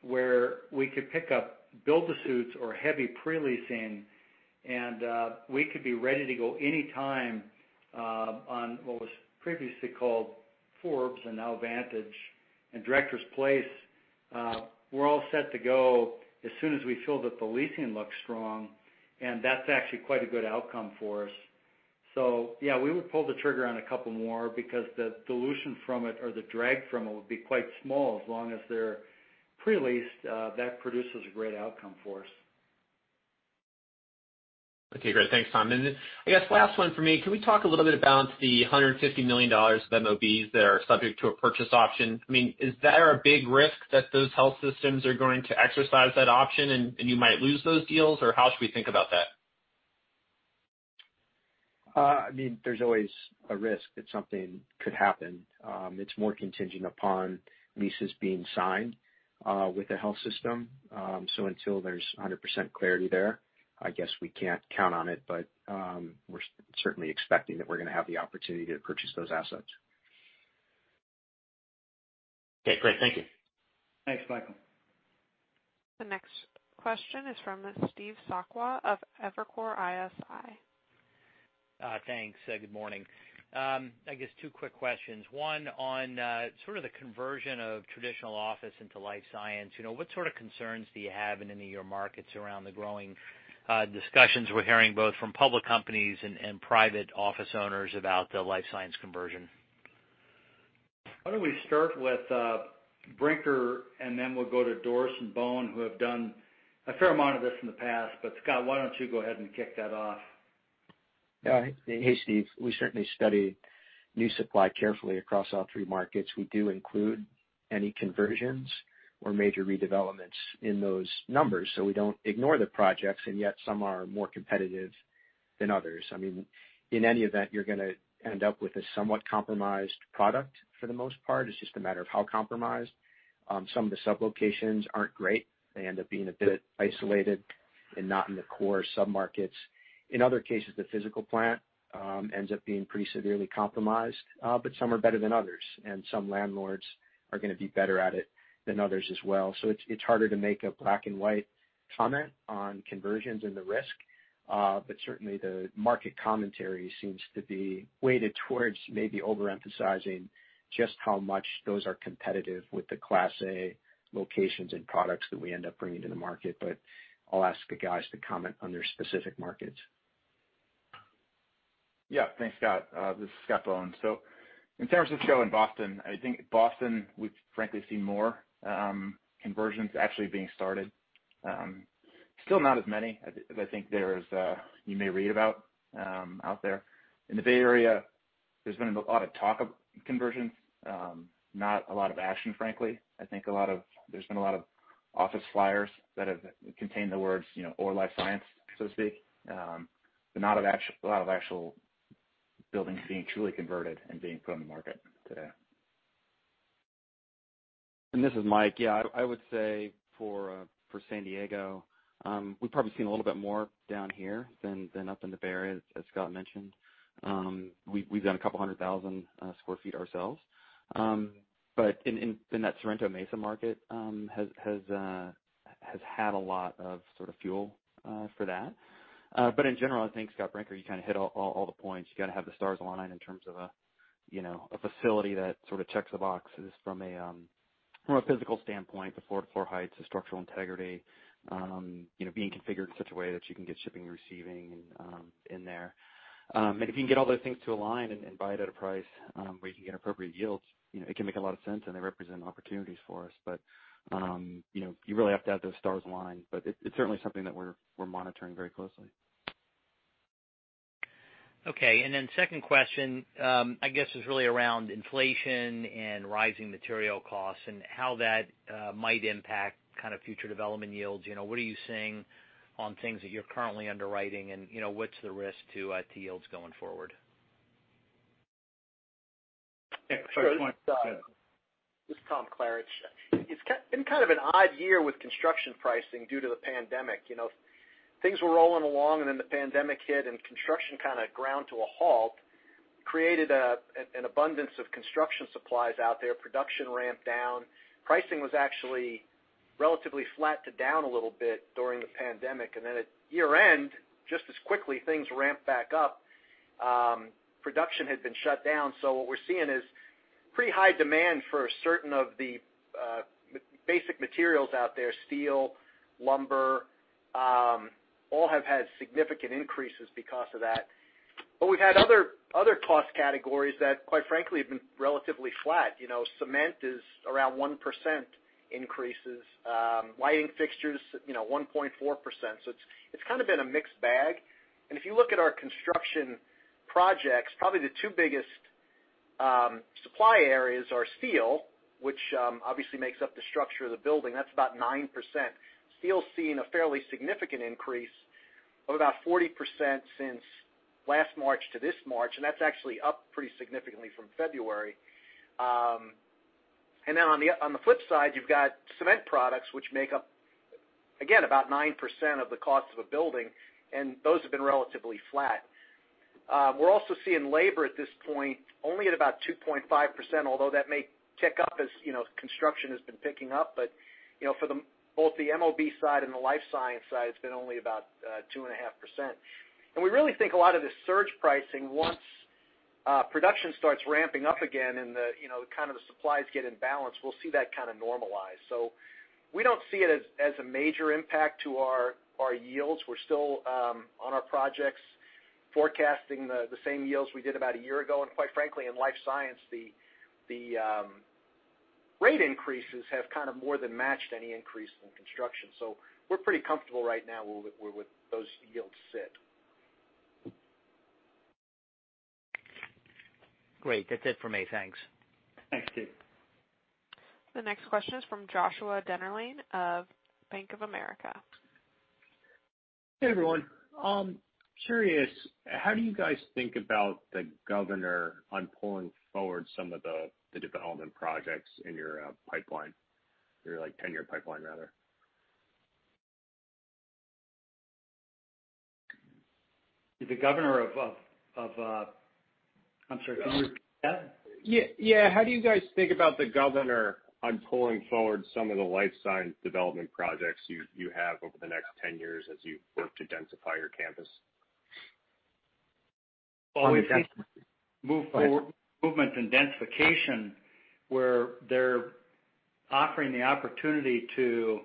where we could pick up build-to-suits or heavy pre-leasing, and we could be ready to go anytime on what was previously called Forbes and now Vantage. Directors Place, we're all set to go as soon as we feel that the leasing looks strong, and that's actually quite a good outcome for us. Yeah, we would pull the trigger on a couple more because the dilution from it, or the drag from it, would be quite small as long as they're pre-leased. That produces a great outcome for us. Okay, great. Thanks, Tom. I guess last one for me. Can we talk a little bit about the $150 million of MOBs that are subject to a purchase option? Is that a big risk that those health systems are going to exercise that option and you might lose those deals, or how should we think about that? There's always a risk that something could happen. It's more contingent upon leases being signed with the health system. Until there's 100% clarity there, I guess we can't count on it. We're certainly expecting that we're going to have the opportunity to purchase those assets. Okay, great. Thank you. Thanks, Michael. The next question is from Steve Sakwa of Evercore ISI. Thanks. Good morning. I guess two quick questions. One on sort of the conversion of traditional office into life science. What sort of concerns do you have in any of your markets around the growing discussions we're hearing, both from public companies and private office owners about the life science conversion? Why don't we start with Brinker, and then we'll go to Dorris and Bohn, who have done a fair amount of this in the past. Scott, why don't you go ahead and kick that off? Hey, Steve. We certainly study new supply carefully across all three markets. We do include any conversions or major redevelopments in those numbers, so we don't ignore the projects, and yet some are more competitive than others. In any event, you're going to end up with a somewhat compromised product for the most part. It's just a matter of how compromised. Some of the sub-locations aren't great. They end up being a bit isolated and not in the core sub-markets. In other cases, the physical plant ends up being pretty severely compromised. Some are better than others, and some landlords are going to be better at it than others as well. It's harder to make a black-and-white comment on conversions and the risk. Certainly, the market commentary seems to be weighted towards maybe overemphasizing just how much those are competitive with the Class A locations and products that we end up bringing to the market. I'll ask the guys to comment on their specific markets. Yeah. Thanks, Scott. This is Scott Bohn. In San Francisco and Boston, I think Boston, we've frankly seen more conversions actually being started. Still not as many as I think you may read about out there. In the Bay Area, there's been a lot of talk of conversions. Not a lot of action, frankly. I think there's been a lot of office flyers that have contained the words "or Life Science," so to speak. Not a lot of actual buildings being truly converted and being put on the market today. This is Mike. Yeah, I would say for San Diego, we've probably seen a little bit more down here than up in the Bay Area, as Scott mentioned. We've done a couple hundred thousand sq ft ourselves. In that Sorrento Mesa market, has had a lot of sort of fuel for that. In general, I think, Scott Brinker, you kind of hit all the points. You got to have the stars align in terms of a facility that sort of checks the boxes from a physical standpoint, the floor-to-floor heights, the structural integrity, being configured in such a way that you can get shipping and receiving in there. If you can get all those things to align and buy it at a price where you can get appropriate yields, it can make a lot of sense, and they represent opportunities for us. You really have to have those stars aligned. It's certainly something that we're monitoring very closely. Okay. Second question, I guess, is really around inflation and rising material costs and how that might impact future development yields. What are you seeing on things that you're currently underwriting and what's the risk to IRR yields going forward? Yeah. Sorry, Tom. This is Tom Klaritch. It's been kind of an odd year with construction pricing due to the pandemic. Things were rolling along, and then the pandemic hit, and construction kind of ground to a halt, created an abundance of construction supplies out there. Production ramped down. Pricing was actually relatively flat to down a little bit during the pandemic, and then at year-end, just as quickly, things ramped back up. Production had been shut down. What we're seeing is pretty high demand for certain of the basic materials out there. Steel, lumber, all have had significant increases because of that. We've had other cost categories that, quite frankly, have been relatively flat. Cement is around 1% increases. Lighting fixtures, 1.4%. It's kind of been a mixed bag. If you look at our construction projects, probably the two biggest supply areas are steel, which obviously makes up the structure of the building. That's about 9%. Steel's seen a fairly significant increase of about 40% since last March to this March, and that's actually up pretty significantly from February. On the flip side, you've got cement products, which make up, again, about 9% of the cost of a building, and those have been relatively flat. We're also seeing labor at this point only at about 2.5%, although that may tick up as construction has been picking up. For both the MOB side and the life science side, it's been only about 2.5%. We really think a lot of this surge pricing, once production starts ramping up again and the kind of the supplies get in balance, we'll see that kind of normalize. We don't see it as a major impact to our yields. We're still on our projects forecasting the same yields we did about a year ago. Quite frankly, in Life Science, the rate increases have kind of more than matched any increase in construction. We're pretty comfortable right now where those yields sit. Great. That's it for me. Thanks. Thanks, Steve. The next question is from Joshua Dennerlein of Bank of America. Hey, everyone. Curious, how do you guys think about the governor on pulling forward some of the development projects in your pipeline, or your tenure pipeline rather? I'm sorry. Can you repeat that? Yeah. How do you guys think about the governor on pulling forward some of the life science development projects you have over the next 10 years as you work to densify your campus? Well, we think- On the densification. movements in densification, where they're offering the opportunity to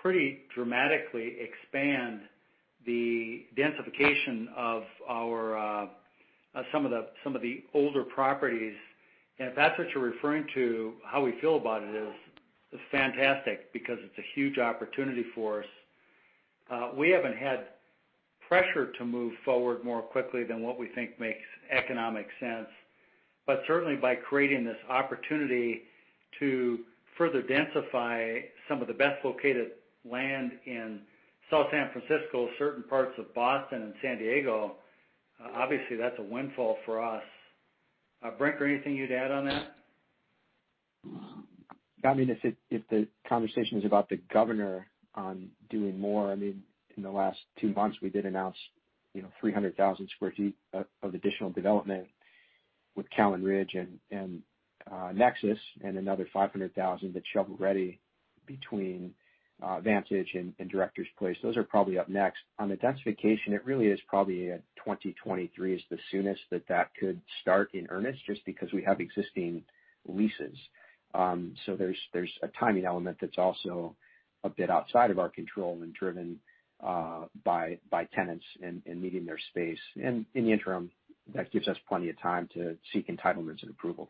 pretty dramatically expand the densification of some of the older properties. If that's what you're referring to, how we feel about it is fantastic because it's a huge opportunity for us. We haven't had pressure to move forward more quickly than what we think makes economic sense. Certainly, by creating this opportunity to further densify some of the best located land in South San Francisco, certain parts of Boston and San Diego, obviously that's a windfall for us. Brinker, anything you'd add on that? I mean, if the conversation is about the governor on doing more, in the last two months, we did announce 300,000 sq ft of additional development with Callan Ridge and Nexus. Another 500,000 that's shovel-ready between Vantage and Director's Place. Those are probably up next. On the densification, it really is probably 2023 is the soonest that that could start in earnest, just because we have existing leases. There's a timing element that's also a bit outside of our control and driven by tenants and meeting their space. In the interim, that gives us plenty of time to seek entitlements and approvals.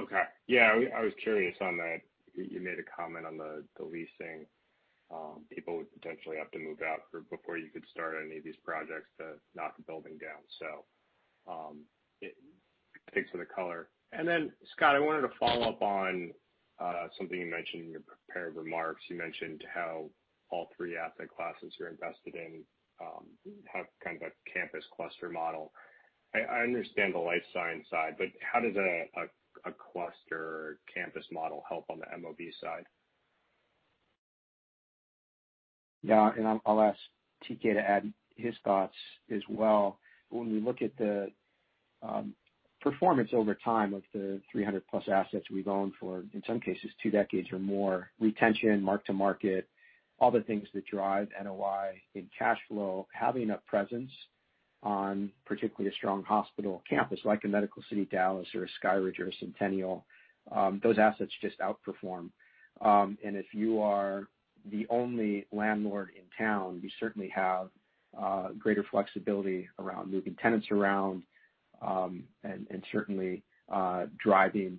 Okay. Yeah, I was curious on that. You made a comment on the leasing. People would potentially have to move out before you could start any of these projects to knock the building down. Thanks for the color. Scott, I wanted to follow up on something you mentioned in your prepared remarks. You mentioned how all three asset classes you're invested in have kind of a campus cluster model. I understand the life science side, how does a cluster campus model help on the MOB side? Yeah, I'll ask T.K. to add his thoughts as well. When we look at the performance over time of the 300-plus assets we've owned for, in some cases, two decades or more, retention, mark to market, all the things that drive NOI and cash flow, having a presence on particularly a strong hospital campus, like a Medical City Dallas or a Sky Ridge or a Centennial, those assets just outperform. If you are the only landlord in town, you certainly have greater flexibility around moving tenants around and certainly driving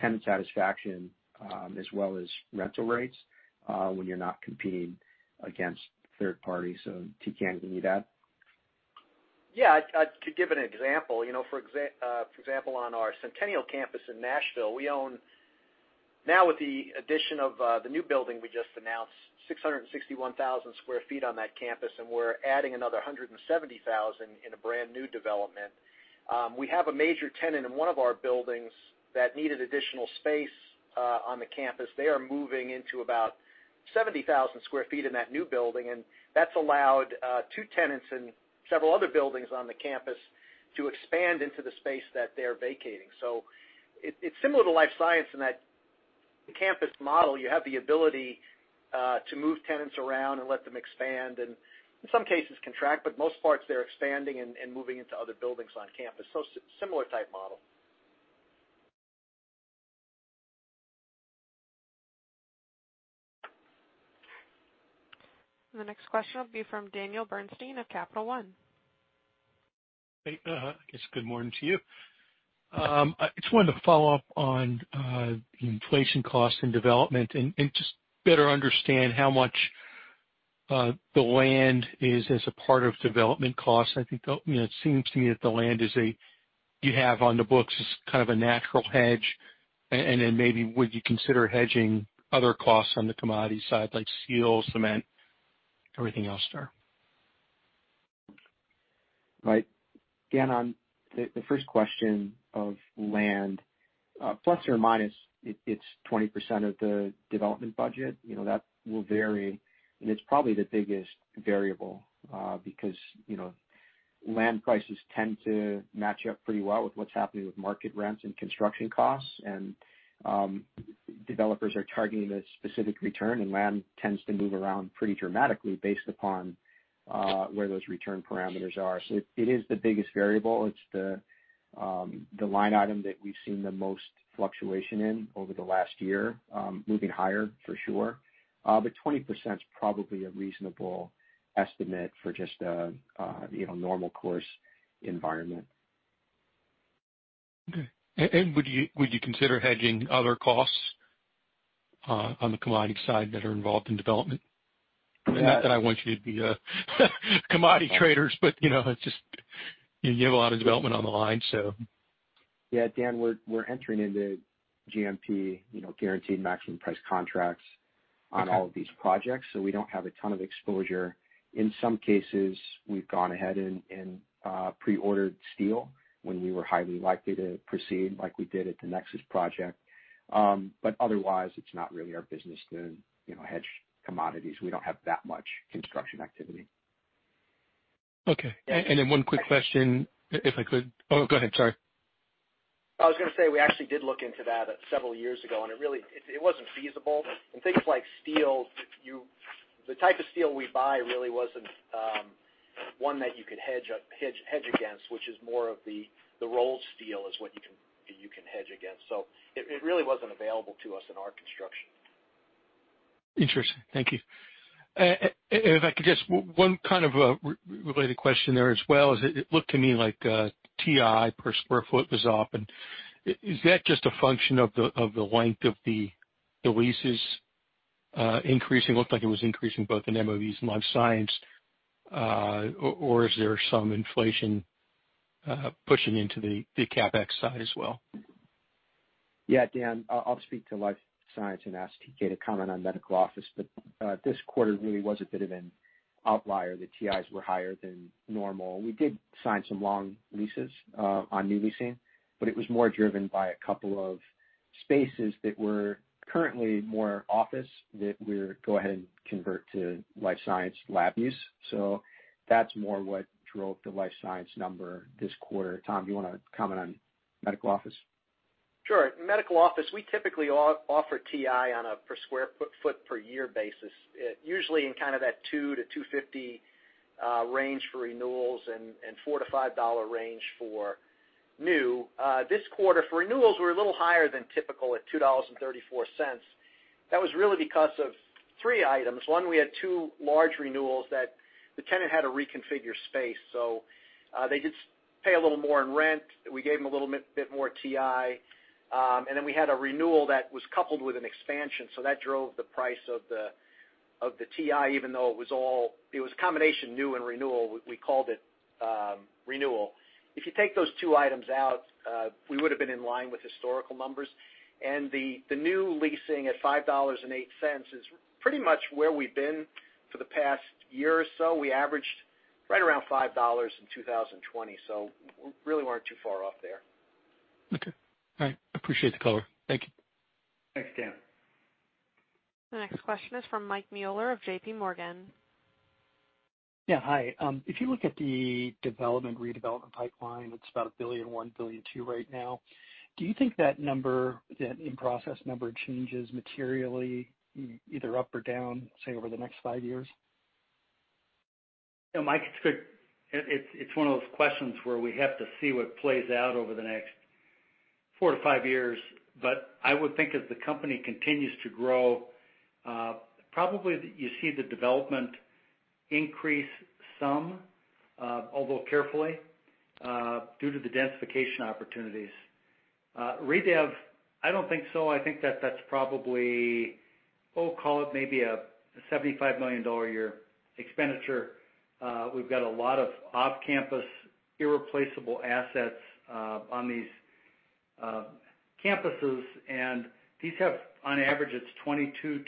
tenant satisfaction as well as rental rates when you're not competing against third parties. T.K., can you add? Yeah. To give an example, for example, on our Centennial campus in Nashville, we own, now with the addition of the new building we just announced, 661,000 sq ft on that campus, and we're adding another 170,000 in a brand-new development. We have a major tenant in one of our buildings that needed additional space on the campus. They are moving into about 70,000 sq ft in that new building, and that's allowed two tenants in several other buildings on the campus to expand into the space that they're vacating. It's similar to life science in that campus model. You have the ability to move tenants around and let them expand and, in some cases, contract, but for the most part, they're expanding and moving into other buildings on campus. Similar type model. The next question will be from Daniel Bernstein of Capital One. Hey. I guess good morning to you. I just wanted to follow up on inflation costs and development, and just better understand how much the land is as a part of development costs. It seems to me that the land you have on the books is kind of a natural hedge. Maybe would you consider hedging other costs on the commodity side, like steel, cement, everything else there? Right. Again, on the first question of land. Plus or minus, it's 20% of the development budget. That will vary, and it's probably the biggest variable because land prices tend to match up pretty well with what's happening with market rents and construction costs. Developers are targeting a specific return, and land tends to move around pretty dramatically based upon where those return parameters are. It is the biggest variable. It's the line item that we've seen the most fluctuation in over the last year, moving higher for sure. 20% is probably a reasonable estimate for just a normal course environment. Okay. Would you consider hedging other costs on the commodity side that are involved in development? No. Not that I want you to be commodity traders, but just you have a lot of development on the line, so. Yeah. Dan, we're entering into GMP, guaranteed maximum price contracts- Okay on all of these projects, so we don't have a ton of exposure. In some cases, we've gone ahead and pre-ordered steel when we were highly likely to proceed, like we did at the Nexus project. Otherwise, it's not really our business to hedge commodities. We don't have that much construction activity. Okay. One quick question if I could. Oh, go ahead. Sorry. I was going to say, we actually did look into that several years ago, and it wasn't feasible. Things like steel, the type of steel we buy really wasn't one that you could hedge against, which is more of the rolled steel is what you can hedge against. It really wasn't available to us in our construction. Interesting. Thank you. If I could just one kind of a related question there as well is it looked to me like TI per square foot was up. Is that just a function of the length of the leases increasing? Looked like it was increasing both in MOBs and life science. Is there some inflation pushing into the CapEx side as well? Yeah. Dan, I'll speak to life science and ask T.K. to comment on medical office. This quarter really was a bit of an outlier. The TIs were higher than normal. We did sign some long leases on new leasing, but it was more driven by a couple of spaces that were currently more office that we're go ahead and convert to life science lab use. That's more what drove the life science number this quarter. Tom, do you want to comment on medical office? Sure. Medical office, we typically offer TI on a per square foot per year basis, usually in the $2-$2.50 range for renewals and $4-$5 range for new. This quarter, for renewals, we're a little higher than typical at $2.34. That was really because of three items. One, we had two large renewals that the tenant had to reconfigure space, they did pay a little more in rent. We gave them a little bit more TI. We had a renewal that was coupled with an expansion, that drove the price of the TI, even though it was a combination of new and renewal. We called it renewal. If you take those two items out, we would've been in line with historical numbers. The new leasing at $5.08 is pretty much where we've been for the past year or so. We averaged right around $5 in 2020, so we really weren't too far off there. Okay. All right. I appreciate the color. Thank you. Thanks, Dan. The next question is from Mike Mueller of JPMorgan. Yeah. Hi. If you look at the development/redevelopment pipeline, it's about $1.1 billion, $1.2 billion right now. Do you think that in-process number changes materially, either up or down, say, over the next five years? Mike, it's one of those questions where we have to see what plays out over the next. Four to five years. I would think as the company continues to grow, probably you see the development increase some, although carefully, due to the densification opportunities. Re-dev, I don't think so. I think that's probably, call it maybe a $75 million a year expenditure. We've got a lot of off-campus irreplaceable assets on these campuses, and these have, on average, it's 22,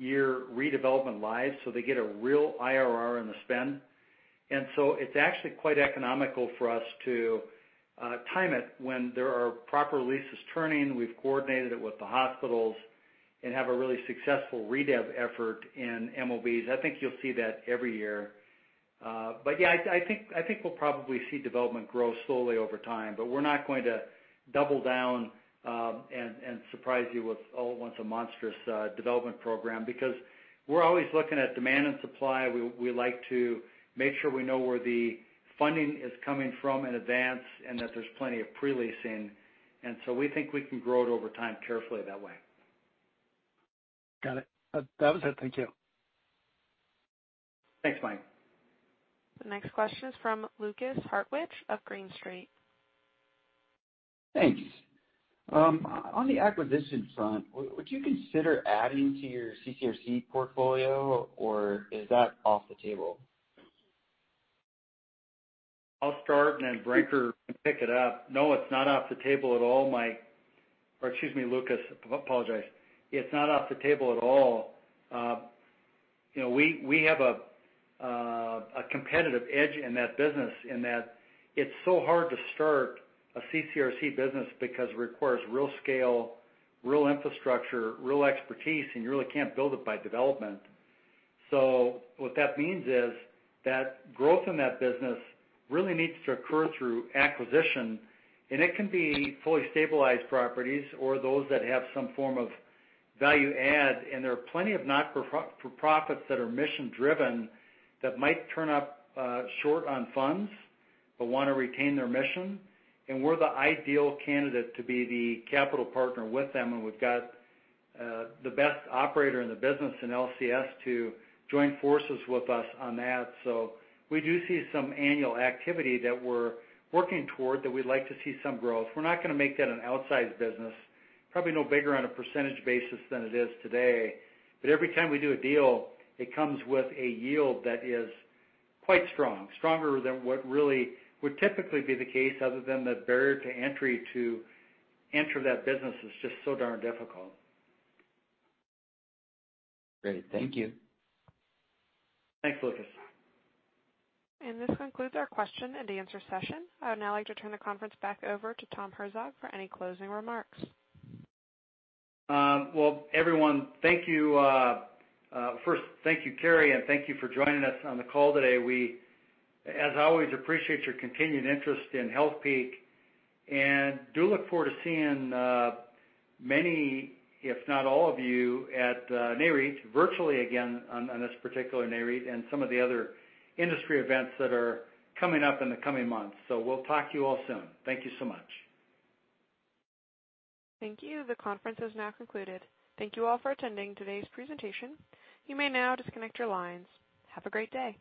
23-year redevelopment lives, so they get a real IRR in the spend. It's actually quite economical for us to time it when there are proper leases turning, we've coordinated it with the hospitals and have a really successful re-dev effort in MOBs. I think you'll see that every year. Yeah, I think we'll probably see development grow slowly over time, but we're not going to double down and surprise you with all at once a monstrous development program because we're always looking at demand and supply. We like to make sure we know where the funding is coming from in advance and that there's plenty of pre-leasing. We think we can grow it over time carefully that way. Got it. That was it. Thank you. Thanks, Mike. The next question is from Lukas Hartwich of Green Street. Thanks. On the acquisition front, would you consider adding to your CCRC portfolio, or is that off the table? I'll start, and then Brinker can pick it up. No, it's not off the table at all, Mike. Excuse me, Lukas, apologize. It's not off the table at all. We have a competitive edge in that business in that it's so hard to start a CCRC business because it requires real scale, real infrastructure, real expertise, and you really can't build it by development. What that means is that growth in that business really needs to occur through acquisition, and it can be fully stabilized properties or those that have some form of value add. There are plenty of not-for-profits that are mission-driven that might turn up short on funds but want to retain their mission. We're the ideal candidate to be the capital partner with them, and we've got the best operator in the business in LCS to join forces with us on that. We do see some annual activity that we're working toward that we'd like to see some growth. We're not going to make that an outsized business, probably no bigger on a percentage basis than it is today. Every time we do a deal, it comes with a yield that is quite strong, stronger than what really would typically be the case other than the barrier to entry to enter that business is just so darn difficult. Great. Thank you. Thanks, Lukas. This concludes our question and answer session. I would now like to turn the conference back over to Tom Herzog for any closing remarks. Well, everyone, thank you. First, thank you, Carrie, and thank you for joining us on the call today. We, as always, appreciate your continued interest in Healthpeak and do look forward to seeing many, if not all of you, at Nareit, virtually again on this particular Nareit and some of the other industry events that are coming up in the coming months. We'll talk to you all soon. Thank you so much. Thank you. The conference is now concluded. Thank you all for attending today's presentation. You may now disconnect your lines. Have a great day.